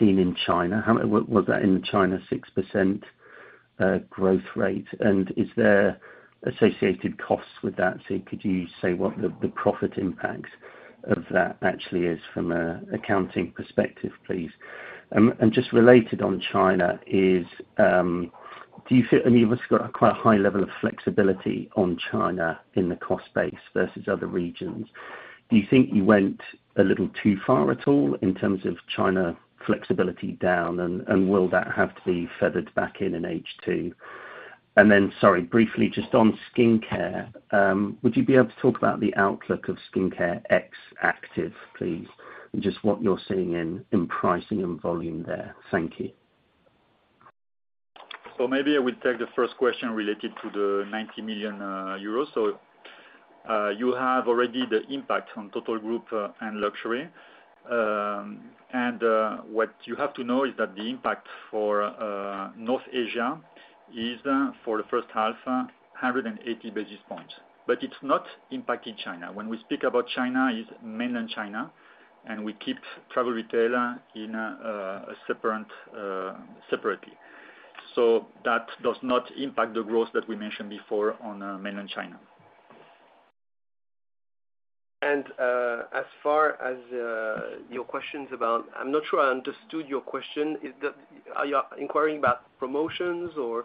seen in China? Was that in China 6% growth rate? And is there associated costs with that? Could you say what the profit impact of that actually is from an accounting perspective, please? Just related to China, do you feel? I mean, you've also got a quite high level of flexibility on China in the cost base versus other regions. Do you think you went a little too far at all in terms of China flexibility down, and will that have to be feathered back in in H2? Sorry, briefly, just on skincare, would you be able to talk about the outlook of skincare ex Active, please, and just what you're seeing in pricing and volume there? Thank you. Maybe I will take the first question related to the 90 million euros. You have already the impact on total group and luxury. What you have to know is that the impact for North Asia is, for the first half, 180 basis points. But it's not impacting China. When we speak about China, it's mainland China, and we keep travel retailer in a separate, separately. That does not impact the growth that we mentioned before on mainland China. As far as your questions about... I'm not sure I understood your question. Are you inquiring about promotions or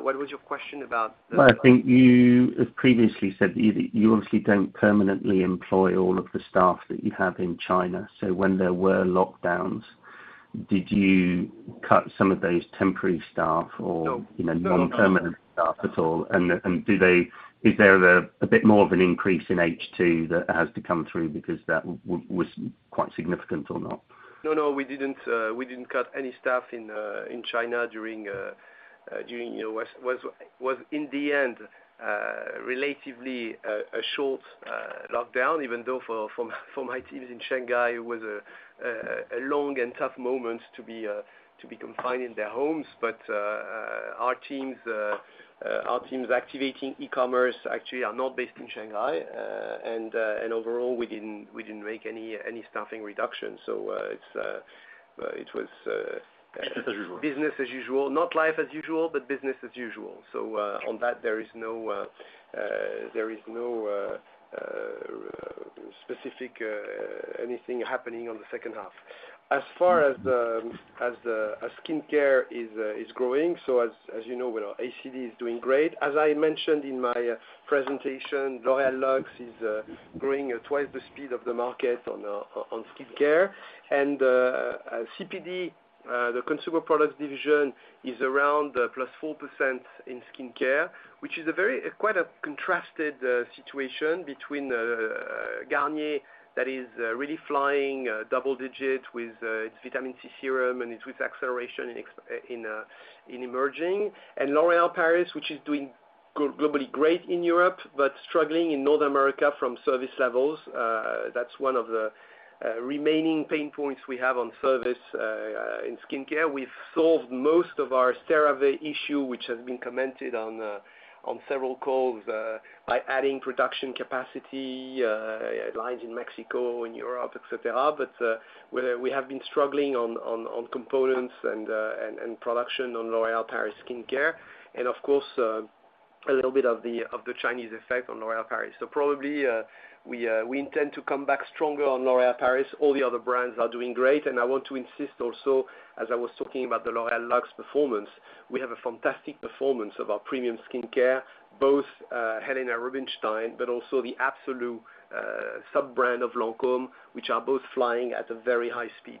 what was your question about the- I think you have previously said you obviously don't permanently employ all of the staff that you have in China. When there were lockdowns, did you cut some of those temporary staff or- No. You know, non-permanent staff at all? Do they? Is there a bit more of an increase in H2 that has to come through because that was quite significant or not? No, we didn't cut any staff in China during, you know, what was in the end a relatively short lockdown, even though for my teams in Shanghai, it was a long and tough moment to be confined in their homes. Our teams activating e-commerce actually are not based in Shanghai. Overall, we didn't make any staffing reductions. It was. Business as usual. Business as usual. Not life as usual, but business as usual. On that, there is no specific anything happening on the second half. As far as the skincare is growing, so as you know, well, our ACD is doing great. As I mentioned in my presentation, L'Oréal Luxe is growing at twice the speed of the market on skincare. CPD, the Consumer Products Division is around +4% in skincare, which is a very quite a contrasted situation between Garnier that is really flying double digit with its vitamin C serum and its with acceleration in emerging. L'Oréal Paris, which is doing quite globally great in Europe, but struggling in North America from service levels. That's one of the remaining pain points we have on service in skincare. We've solved most of our CeraVe issue, which has been commented on several calls by adding production capacity lines in Mexico and Europe, et cetera. Where we have been struggling on components and production on L'Oréal Paris skincare and of course a little bit of the Chinese effect on L'Oréal Paris. Probably we intend to come back stronger on L'Oréal Paris. All the other brands are doing great. I want to insist also, as I was talking about the L'Oréal Luxe performance, we have a fantastic performance of our premium skincare, both Helena Rubinstein, but also the Absolue sub-brand of Lancôme, which are both flying at a very high speed.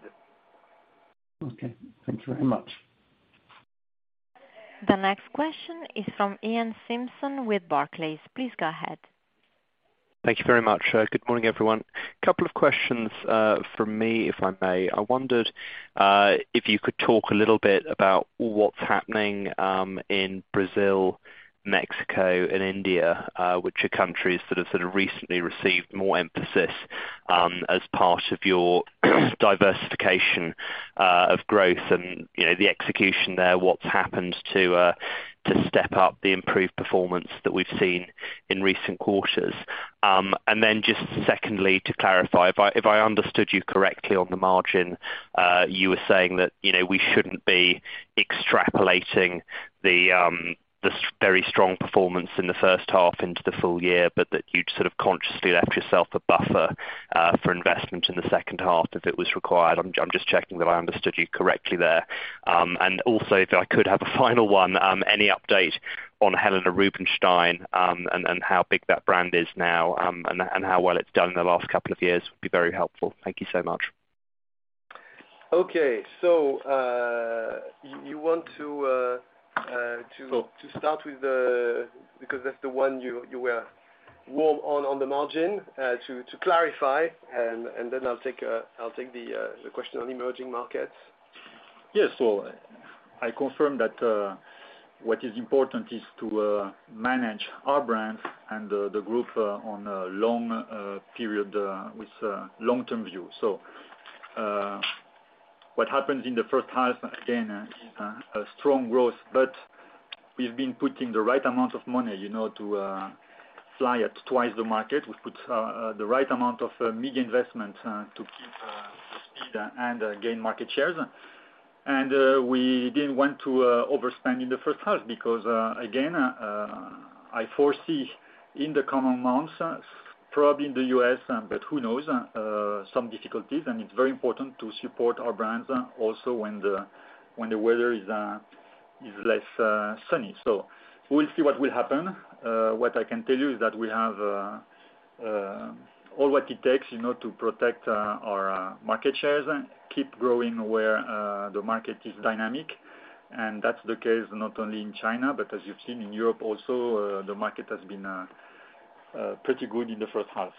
Okay. Thank you very much. The next question is from Iain Simpson with Barclays. Please go ahead. Thank you very much. Good morning, everyone. Couple of questions from me, if I may. I wondered if you could talk a little bit about what's happening in Brazil, Mexico and India, which are countries that have sort of recently received more emphasis as part of your diversification of growth and, you know, the execution there, what's happened to step up the improved performance that we've seen in recent quarters. Just secondly, to clarify, if I understood you correctly on the margin, you were saying that, you know, we shouldn't be extrapolating the very strong performance in the first half into the full year, but that you'd sort of consciously left yourself a buffer for investment in the second half if it was required. I'm just checking that I understood you correctly there. Also, if I could have a final one, any update on Helena Rubinstein, and how big that brand is now, and how well it's done in the last couple of years would be very helpful. Thank you so much. Okay. You want to So- To start with the one because that's the one you were warm on the margin, to clarify, and then I'll take the question on emerging markets. Yes. I confirm that what is important is to manage our brands and the group on a long period with a long-term view. What happened in the first half, again, a strong growth, but we've been putting the right amount of money, you know, to fly at twice the market. We put the right amount of media investment to keep speed and gain market shares. We didn't want to overspend in the first half because, again, I foresee in the coming months, probably in the US, but who knows, some difficulties, and it's very important to support our brands also when the weather is less sunny. We'll see what will happen. What I can tell you is that we have all what it takes, you know, to protect our market shares, keep growing where the market is dynamic. That's the case not only in China, but as you've seen in Europe also, the market has been pretty good in the first half.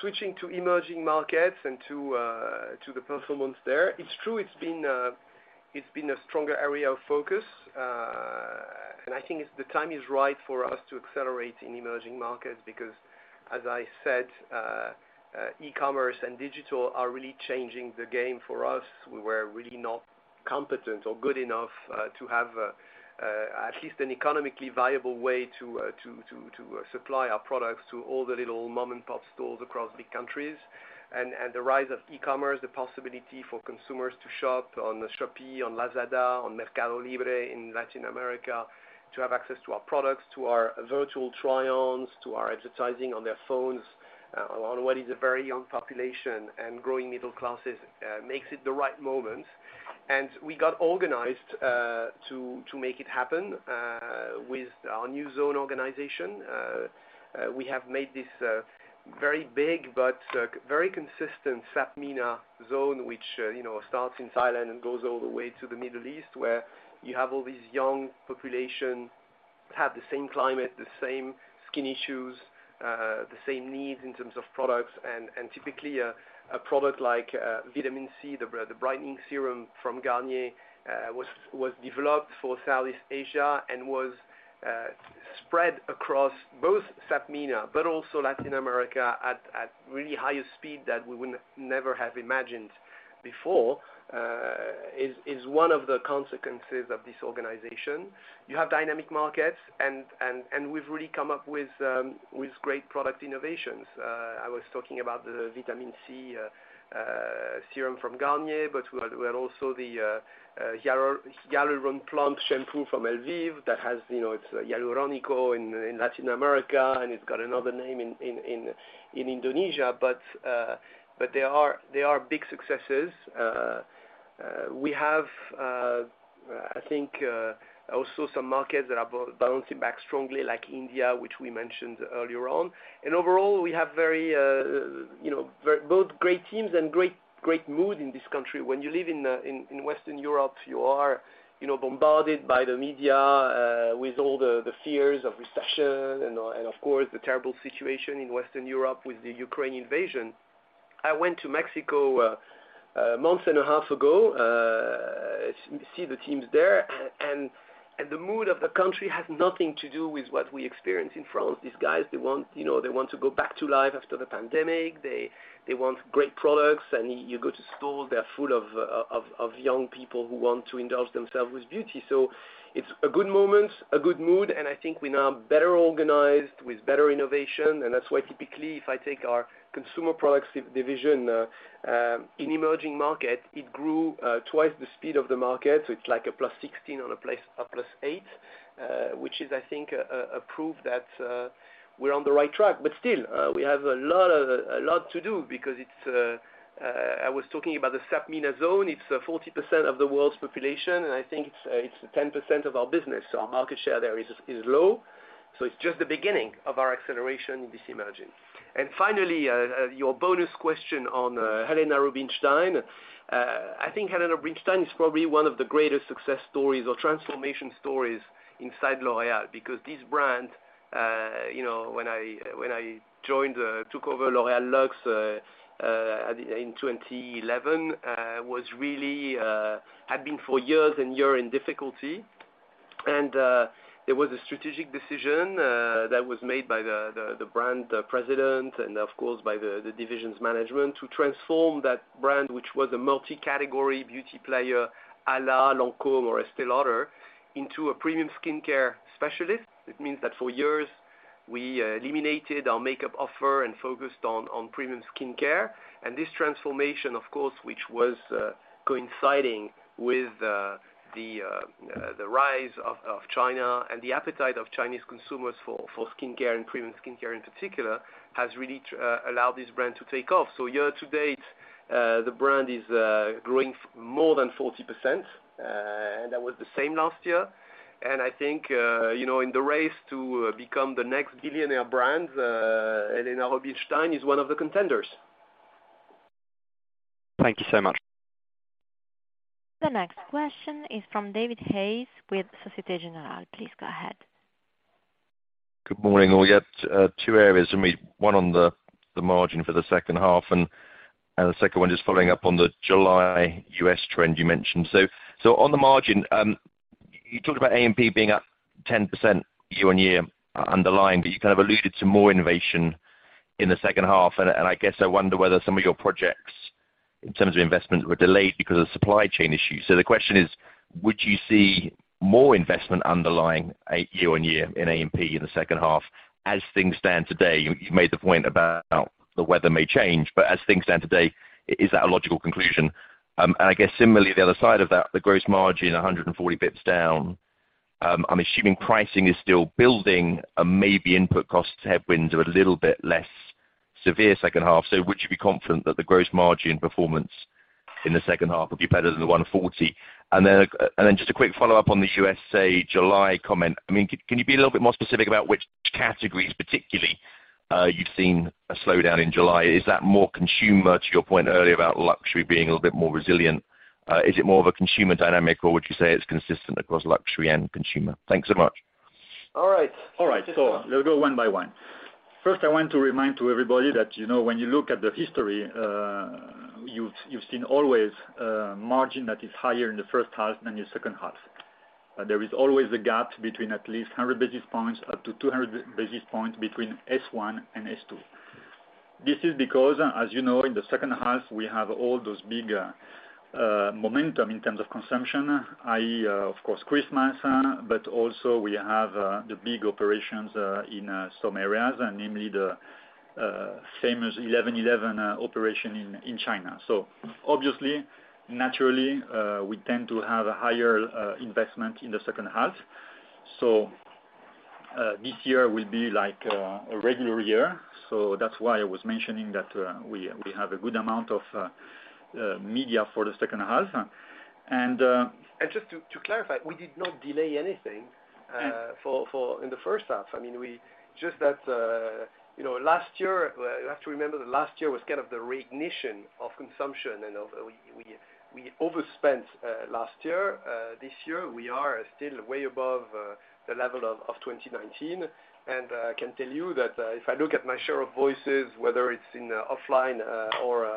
Switching to emerging markets and to the performance there, it's true it's been a stronger area of focus. I think it's the time is right for us to accelerate in emerging markets because as I said, e-commerce and digital are really changing the game for us. We were really not competent or good enough to have at least an economically viable way to supply our products to all the little mom-and-pop stores across big countries. The rise of e-commerce, the possibility for consumers to shop on Shopee, on Lazada, on Mercado Libre in Latin America, to have access to our products, to our virtual try-ons, to our advertising on their phones, on what is a very young population and growing middle classes, makes it the right moment. We got organized to make it happen with our new zone organization. We have made this very big but very consistent SAPMENA zone, which you know starts in Thailand and goes all the way to the Middle East, where you have all these young population have the same climate, the same skin issues, the same needs in terms of products. Typically a product like Vitamin C the Brightening Serum from Garnier was developed for Southeast Asia and was spread across both SAPMENA but also Latin America at really higher speed that we would never have imagined before is one of the consequences of this organization. You have dynamic markets and we've really come up with great product innovations. I was talking about the Vitamin C serum from Garnier, but we had also the Hyaluron Plump shampoo from Elvive that has, you know, it's Hialurónico in Latin America, and it's got another name in Indonesia. They are big successes. We have, I think, also some markets that are bouncing back strongly, like India, which we mentioned earlier on. Overall, we have very, you know, both great teams and great mood in this country. When you live in Western Europe, you know, you are bombarded by the media with all the fears of recession and of course the terrible situation in Western Europe with the Ukraine invasion. I went to Mexico a month and a half ago to see the teams there. The mood of the country has nothing to do with what we experience in France. These guys, they want, you know, to go back to life after the pandemic. They want great products. You go to store, they're full of young people who want to indulge themselves with beauty. It's a good moment, a good mood, and I think we're now better organized with better innovation. That's why typically, if I take our Consumer Products Division in emerging markets, it grew twice the speed of the market. It's like a +16% on LFL, a +8%, which is, I think, a proof that we're on the right track. Still, we have a lot to do because it's I was talking about the SAPMENA zone. It's 40% of the world's population, and I think it's 10% of our business. Our market share there is low. It's just the beginning of our acceleration in this emerging. Finally, your bonus question on Helena Rubinstein. I think Helena Rubinstein is probably one of the greatest success stories or transformation stories inside L'Oréal, because this brand, you know, when I joined, took over L'Oréal Luxe, in 2011, was really, had been for years and year in difficulty. There was a strategic decision that was made by the brand president and of course, by the divisions management to transform that brand, which was a multi-category beauty player à la Lancôme or Estée Lauder, into a premium skincare specialist. It means that for years, we eliminated our makeup offer and focused on premium skincare. This transformation, of course, which was coinciding with the rise of China and the appetite of Chinese consumers for skincare and premium skincare in particular, has really allowed this brand to take off. Year to date, the brand is growing more than 40%, and that was the same last year. I think, you know, in the race to become the next billionaire brand, Helena Rubinstein is one of the contenders. Thank you so much. The next question is from David Hayes with Société Générale. Please go ahead. Good morning. We got two areas for me, one on the margin for the second half, and the second one just following up on the July U.S. trend you mentioned. On the margin, you talked about A&P being up 10% year-on-year underlying, but you kind of alluded to more innovation in the second half. I guess I wonder whether some of your projects in terms of investment were delayed because of supply chain issues. The question is, would you see more investment underlying a year-on-year in A&P in the second half as things stand today? You made the point about the weather may change, but as things stand today, is that a logical conclusion? I guess similarly, the other side of that, the gross margin 140 basis points down. I'm assuming pricing is still building and maybe input costs headwinds are a little bit less severe second half. Would you be confident that the gross margin performance in the second half will be better than the 140? Just a quick follow-up on the USA July comment. I mean, can you be a little bit more specific about which categories particularly you've seen a slowdown in July? Is that more consumer, to your point earlier about luxury being a little bit more resilient? Is it more of a consumer dynamic, or would you say it's consistent across luxury and consumer? Thanks so much. All right. Let's go one by one. First, I want to remind to everybody that, you know, when you look at the history, you've seen always margin that is higher in the first half than your second half. There is always a gap between at least 100 basis points up to 200 basis points between H1 and H2. This is because, as you know, in the second half, we have all those big momentum in terms of consumption, i.e., of course, Christmas, but also we have the big operations in some areas, and namely the famous 11.11 operation in China. Obviously, naturally, we tend to have a higher investment in the second half. This year will be like a regular year. That's why I was mentioning that we have a good amount of media for the second half. Just to clarify, we did not delay anything in the first half. I mean, just that, you know, last year you have to remember that last year was kind of the reignition of consumption and we overspent last year. This year, we are still way above the level of 2019. I can tell you that if I look at my share of voice, whether it's in offline or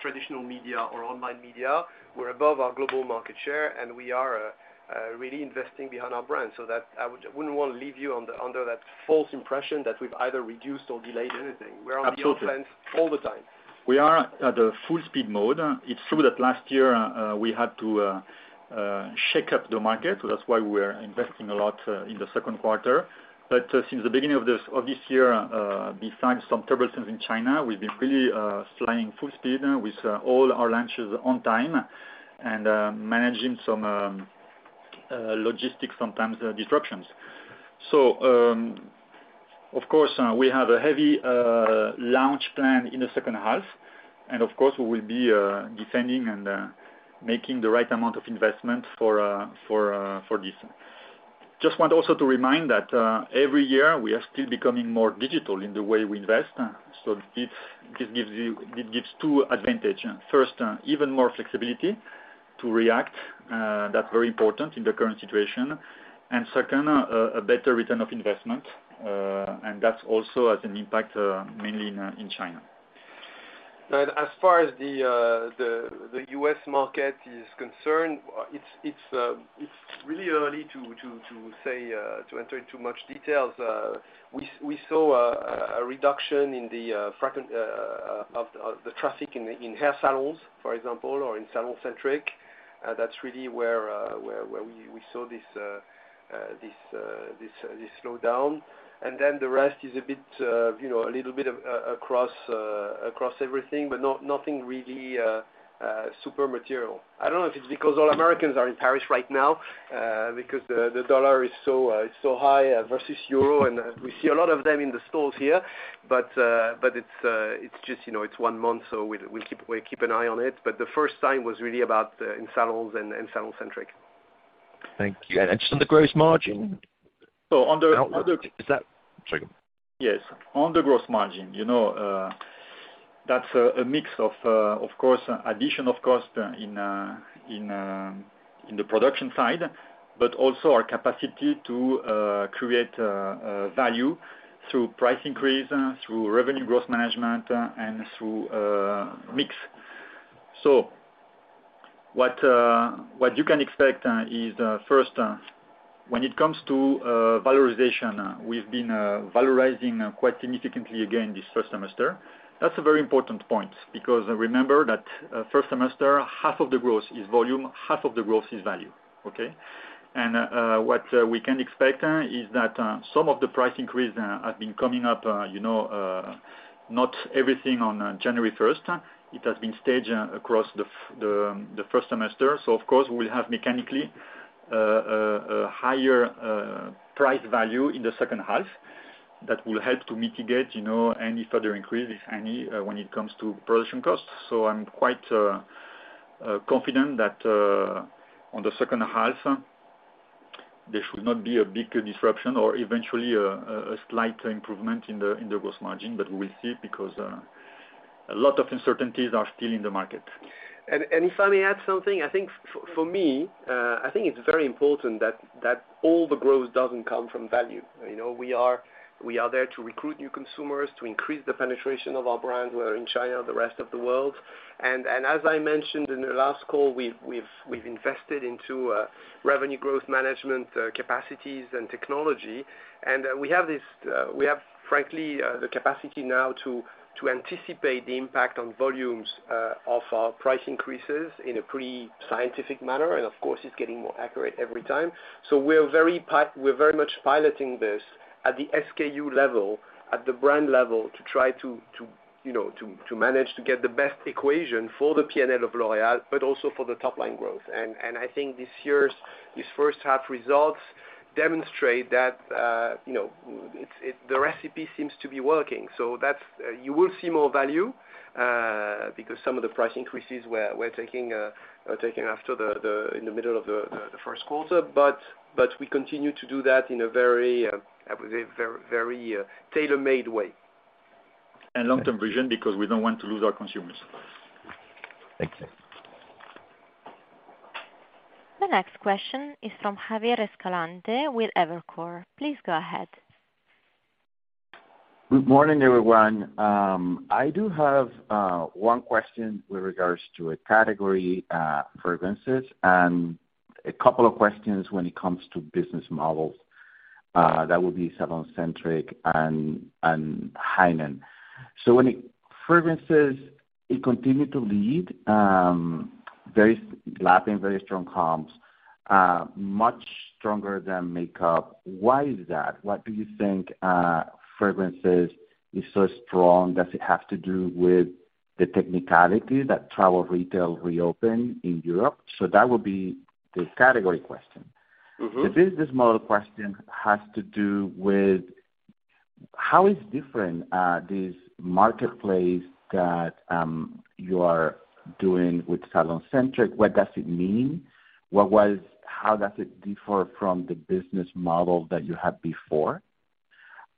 traditional media or online media, we're above our global market share, and we are really investing behind our brand. I wouldn't wanna leave you under that false impression that we've either reduced or delayed anything. Absolutely. We're on the offense all the time. We are at a full speed mode. It's true that last year we had to shake up the market. That's why we're investing a lot in the Q2. Since the beginning of this year, besides some turbulences in China, we've been really flying full speed with all our launches on time and managing some logistics sometimes disruptions. Of course, we have a heavy launch plan in the second half, and of course, we will be defending and making the right amount of investment for this. Just want also to remind that every year, we are still becoming more digital in the way we invest. This gives two advantage. First, even more flexibility. To react, that's very important in the current situation. Second, a better return on investment, and that also has an impact, mainly in China. Right. As far as the US market is concerned, it's really early to enter into much details. We saw a reduction in the traffic in hair salons, for example, or in SalonCentric. That's really where we saw this slowdown. Then the rest is a bit, you know, a little bit across everything, but nothing really super material. I don't know if it's because all Americans are in Paris right now, because the dollar is so high versus euro, and we see a lot of them in the stores here. It's just, you know, it's one month, so we'll keep an eye on it. The first time was really about in salons and SalonCentric. Thank you. Just on the gross margin. So on the- Sorry. Yes. On the gross margin, you know, that's a mix, of course, of addition of cost in the production side, but also our capacity to create value through price increase, through revenue growth management, and through mix. What you can expect is first, when it comes to valorization, we've been valorizing quite significantly again this first semester. That's a very important point because remember that first semester, half of the growth is volume, half of the growth is value. Okay? What we can expect is that some of the price increase have been coming up, you know, not everything on January first. It has been staged across the first semester. Of course, we'll have mechanically a higher price value in the second half that will help to mitigate, you know, any further increase, if any, when it comes to production costs. I'm quite confident that on the second half, there should not be a big disruption or eventually a slight improvement in the gross margin. We will see because a lot of uncertainties are still in the market. If I may add something, I think for me, I think it's very important that all the growth doesn't come from value. You know, we are there to recruit new consumers, to increase the penetration of our brand. We're in China, the rest of the world. As I mentioned in the last call, we've invested into revenue growth management capacities and technology. We have, frankly, the capacity now to anticipate the impact on volumes of our price increases in a pretty scientific manner. Of course, it's getting more accurate every time. We're very much piloting this at the SKU level, at the brand level to try to, you know, to manage to get the best equation for the P&L of L'Oréal, but also for the top line growth. I think this first half results demonstrate that, you know, the recipe seems to be working. That's, you will see more value because some of the price increases we're taking are taking after the Q1. We continue to do that in a very, I would say, tailor-made way. Long-term vision because we don't want to lose our consumers. Thank you. The next question is from Javier Escalante with Evercore. Please go ahead. Good morning, everyone. I do have one question with regards to a category, fragrances, and a couple of questions when it comes to business models, that would be SalonCentric and Hainan. Fragrances continued to lead very lapping very strong comps much stronger than makeup. Why is that? Why do you think fragrances is so strong? Does it have to do with the technicality that travel retail reopened in Europe? That would be the category question. Mm-hmm. The business model question has to do with how this is different this marketplace that you are doing with SalonCentric? What does it mean? How does it differ from the business model that you had before?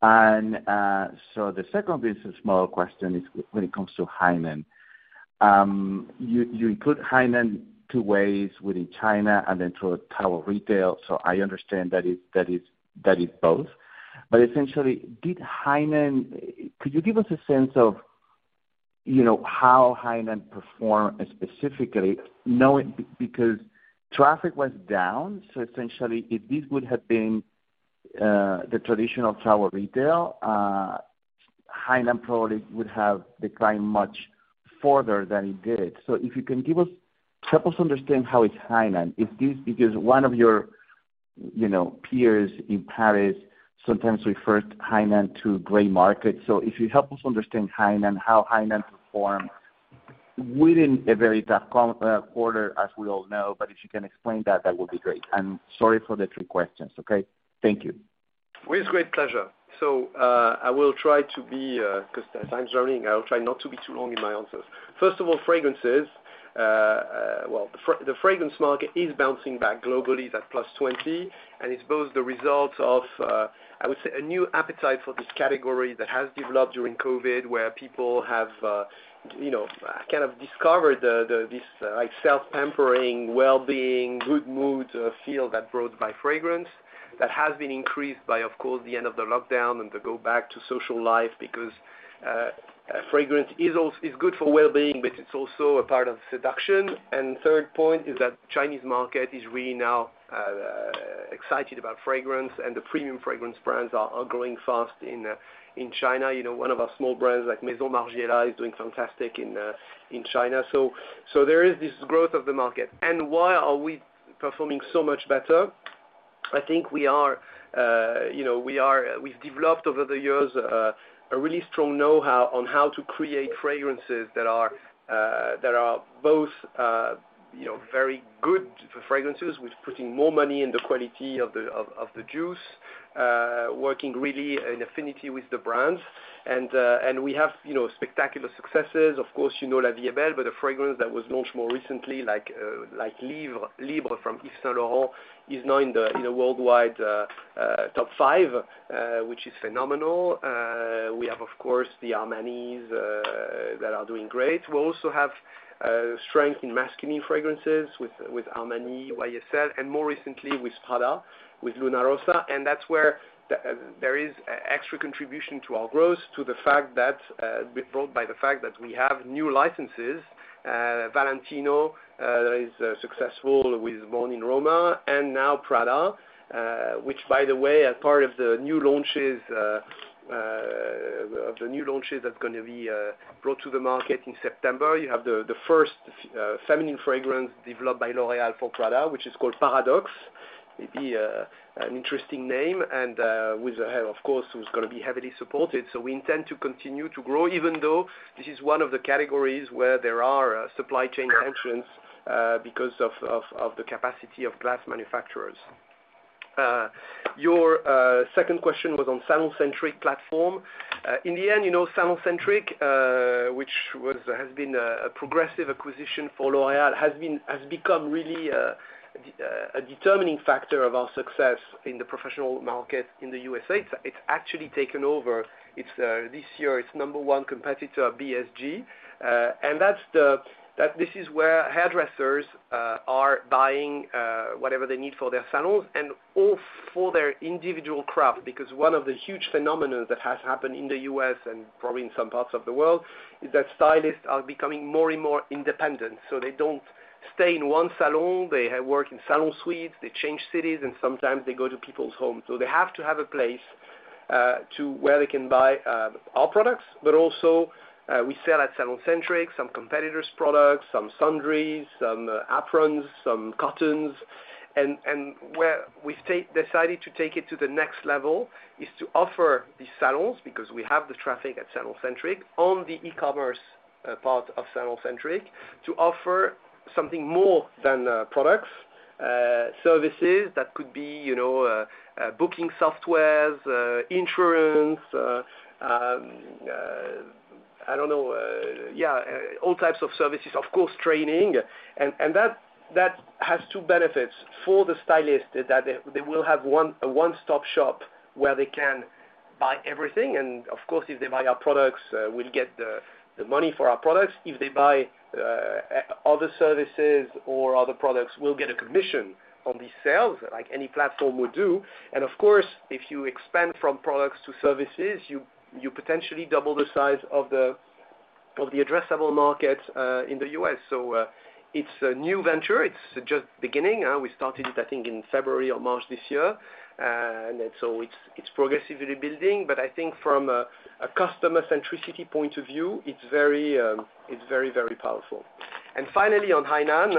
The second business model question is when it comes to Hainan. You include Hainan two ways within China and then through travel retail. I understand that is both. Essentially, could you give us a sense of, you know, how Hainan performed specifically knowing because traffic was down, so essentially if this would have been the traditional travel retail, Hainan probably would have declined much further than it did. If you can give us, help us understand how is Hainan, if this, because one of your, you know, peers in Paris sometimes refers Hainan to gray market. If you help us understand Hainan, how Hainan performed within a very tough quarter, as we all know. If you can explain that would be great. Sorry for the three questions. Okay? Thank you. With great pleasure. I will try to be, 'cause the time's running, I'll try not to be too long in my answers. First of all, fragrances. The fragrance market is bouncing back globally, that +20%, and it's both the result of, I would say a new appetite for this category that has developed during COVID, where people have, you know, kind of discovered the, this like self-pampering, well-being, good mood feel that's brought by fragrance that has been increased by, of course, the end of the lockdown and the go back to social life. Because, fragrance is good for well-being, but it's also a part of seduction. Third point is that Chinese market is really now excited about fragrance. The premium fragrance brands are growing fast in China. You know, one of our small brands, like Maison Margiela, is doing fantastic in China. So there is this growth of the market. Why are we performing so much better? I think we are, you know, we've developed over the years a really strong know-how on how to create fragrances that are both, you know, very good fragrances with putting more money in the quality of the juice, working really in affinity with the brands. And we have, you know, spectacular successes. Of course, you know La Vie est Belle. A fragrance that was launched more recently, like Libre from Yves Saint Laurent, is now in the worldwide top five, which is phenomenal. We have, of course, the Armanis that are doing great. We also have strength in masculine fragrances with Armani, YSL, and more recently with Prada, with Luna Rossa. That's where there is extra contribution to our growth to the fact that brought by the fact that we have new licenses. Valentino is successful with Born in Roma, and now Prada, which by the way, as part of the new launches that's gonna be brought to the market in September, you have the first feminine fragrance developed by L'Oréal for Prada, which is called Paradox. Maybe an interesting name, and with the help of course, which is gonna be heavily supported. We intend to continue to grow, even though this is one of the categories where there are supply chain tensions, because of the capacity of glass manufacturers. Your second question was on SalonCentric platform. In the end, you know, SalonCentric, which has been a progressive acquisition for L'Oréal, has become really a determining factor of our success in the professional market in the U.S.A. It's actually taken over this year its number one competitor, BSG. This is where hairdressers are buying whatever they need for their salons and all for their individual craft. Because one of the huge phenomenon that has happened in the U.S., and probably in some parts of the world, is that stylists are becoming more and more independent, so they don't stay in one salon. They work in salon suites, they change cities, and sometimes they go to people's homes. They have to have a place to where they can buy our products. We sell at SalonCentric, some competitors' products, some sundries, some aprons, some cottons. Where we decided to take it to the next level is to offer these salons, because we have the traffic at SalonCentric, on the e-commerce part of SalonCentric, to offer something more than products. Services that could be, you know, booking softwares, insurance, I don't know. Yeah, all types of services, of course, training. That has two benefits. For the stylist, that they will have a one-stop shop where they can buy everything. Of course, if they buy our products, we'll get the money for our products. If they buy other services or other products, we'll get a commission on these sales, like any platform would do. Of course, if you expand from products to services, you potentially double the size of the addressable market in the US. It's a new venture. It's just beginning. We started it, I think, in February or March this year. It's progressively building. I think from a customer centricity point of view, it's very, very powerful. Finally, on Hainan,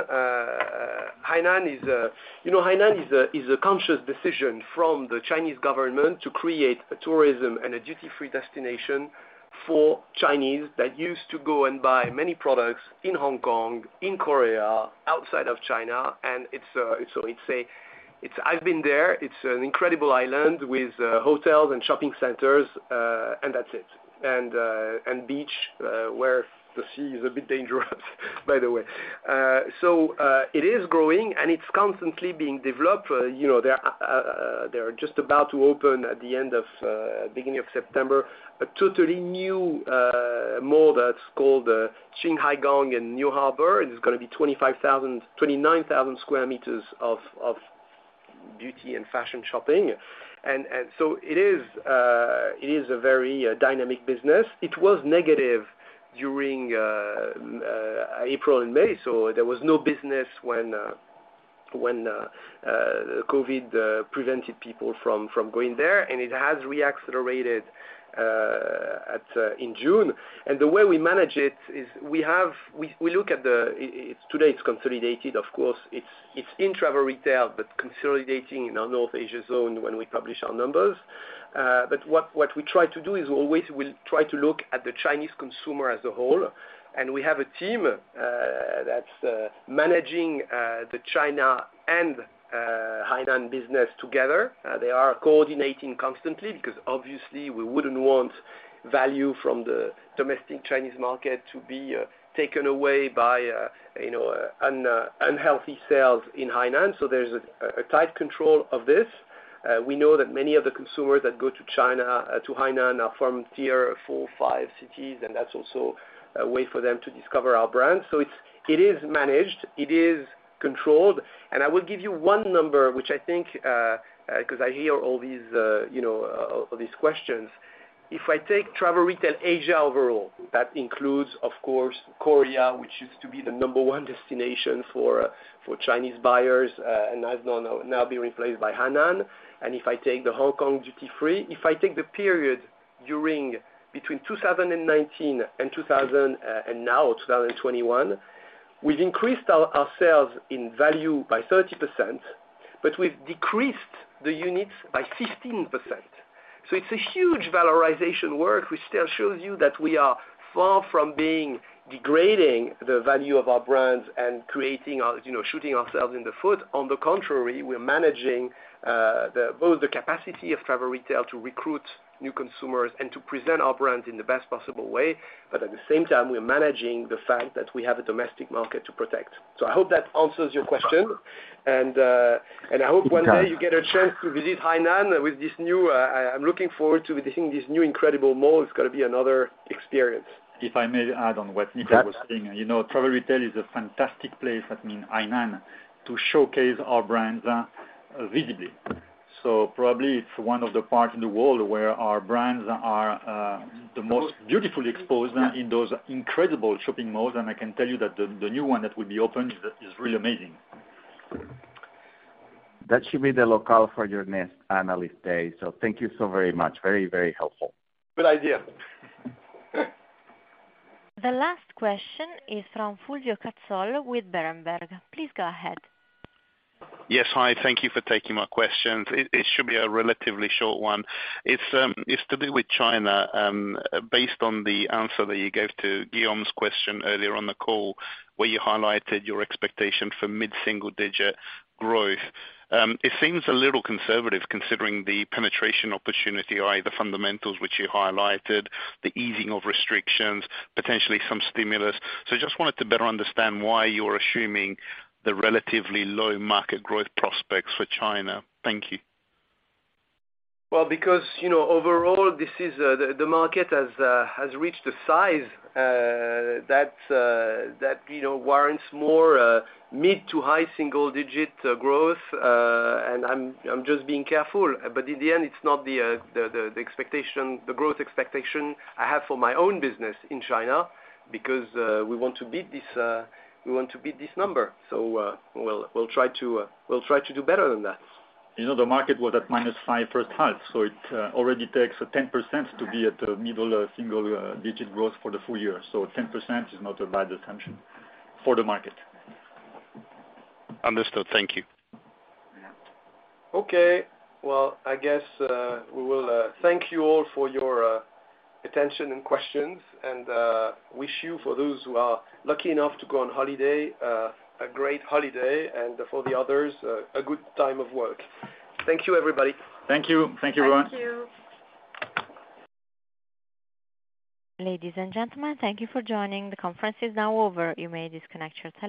you know, Hainan is a conscious decision from the Chinese government to create a tourism and a duty-free destination for Chinese that used to go and buy many products in Hong Kong, in Korea, outside of China. I've been there. It's an incredible island with hotels and shopping centers. That's it and beach where the sea is a bit dangerous by the way. It is growing, and it's constantly being developed. You know, they are just about to open at the end of beginning of September, a totally new mall that's called Xinghai Gong and New Harbor. It's gonna be 25,000-29,000 square meters of beauty and fashion shopping. It is a very dynamic business. It was negative during April and May, so there was no business when COVID prevented people from going there. It has re-accelerated in June. The way we manage it is we look at it today it's consolidated, of course. It's in travel retail, but consolidating in our North Asia zone when we publish our numbers. What we try to do is always try to look at the Chinese consumer as a whole. We have a team that's managing the China and Hainan business together. They are coordinating constantly because obviously we wouldn't want value from the domestic Chinese market to be taken away by, you know, unhealthy sales in Hainan. There's a tight control of this. We know that many of the consumers that go to China to Hainan are from tier 4, 5 cities, and that's also a way for them to discover our brand. It is managed, it is controlled. I will give you one number, which I think 'cause I hear all these you know all these questions. If I take travel retail Asia overall, that includes, of course, Korea, which used to be the number one destination for Chinese buyers and has now been replaced by Hainan. If I take the Hong Kong duty-free, if I take the period between 2019 and 2021, we've increased our sales in value by 30%, but we've decreased the units by 15%. It's a huge valorization work which still shows you that we are far from being degrading the value of our brands and creating our, you know, shooting ourselves in the foot. On the contrary, we're managing both the capacity of travel retail to recruit new consumers and to present our brands in the best possible way. But at the same time, we're managing the fact that we have a domestic market to protect. I hope that answers your question. I hope one day you get a chance to visit Hainan with this new. I'm looking forward to visiting this new incredible mall. It's gonna be another experience. If I may add on what Nico was saying. Yeah. You know, travel retail is a fantastic place, that means Hainan, to showcase our brands visibly. So probably it's one of the parts in the world where our brands are the most beautifully exposed in those incredible shopping malls. I can tell you that the new one that will be opened is really amazing. That should be the locale for your next analyst day. Thank you so very much. Very, very helpful. Good idea. The last question is from Fulvio Cazzol with Berenberg. Please go ahead. Yes. Hi, thank you for taking my questions. It should be a relatively short one. It's to do with China. Based on the answer that you gave to Guillaume's question earlier on the call, where you highlighted your expectation for mid-single digit growth, it seems a little conservative considering the penetration opportunity or either fundamentals which you highlighted, the easing of restrictions, potentially some stimulus. Just wanted to better understand why you're assuming the relatively low market growth prospects for China. Thank you. Well, because, you know, overall, this is the market has reached a size that, you know, warrants more mid- to high-single-digit growth. I'm just being careful. In the end, it's not the expectation, the growth expectation I have for my own business in China because we want to beat this number. We'll try to do better than that. You know, the market was at -5% first half, so it already takes 10% to be at the mid single-digit growth for the full year. 10% is not a bad assumption for the market. Understood. Thank you. Okay. Well, I guess we will thank you all for your attention and questions, and wish you, for those who are lucky enough to go on holiday, a great holiday. For the others, a good time of work. Thank you, everybody. Thank you. Thank you, everyone. Thank you. Ladies and gentlemen, thank you for joining. The conference is now over. You may disconnect your telephones.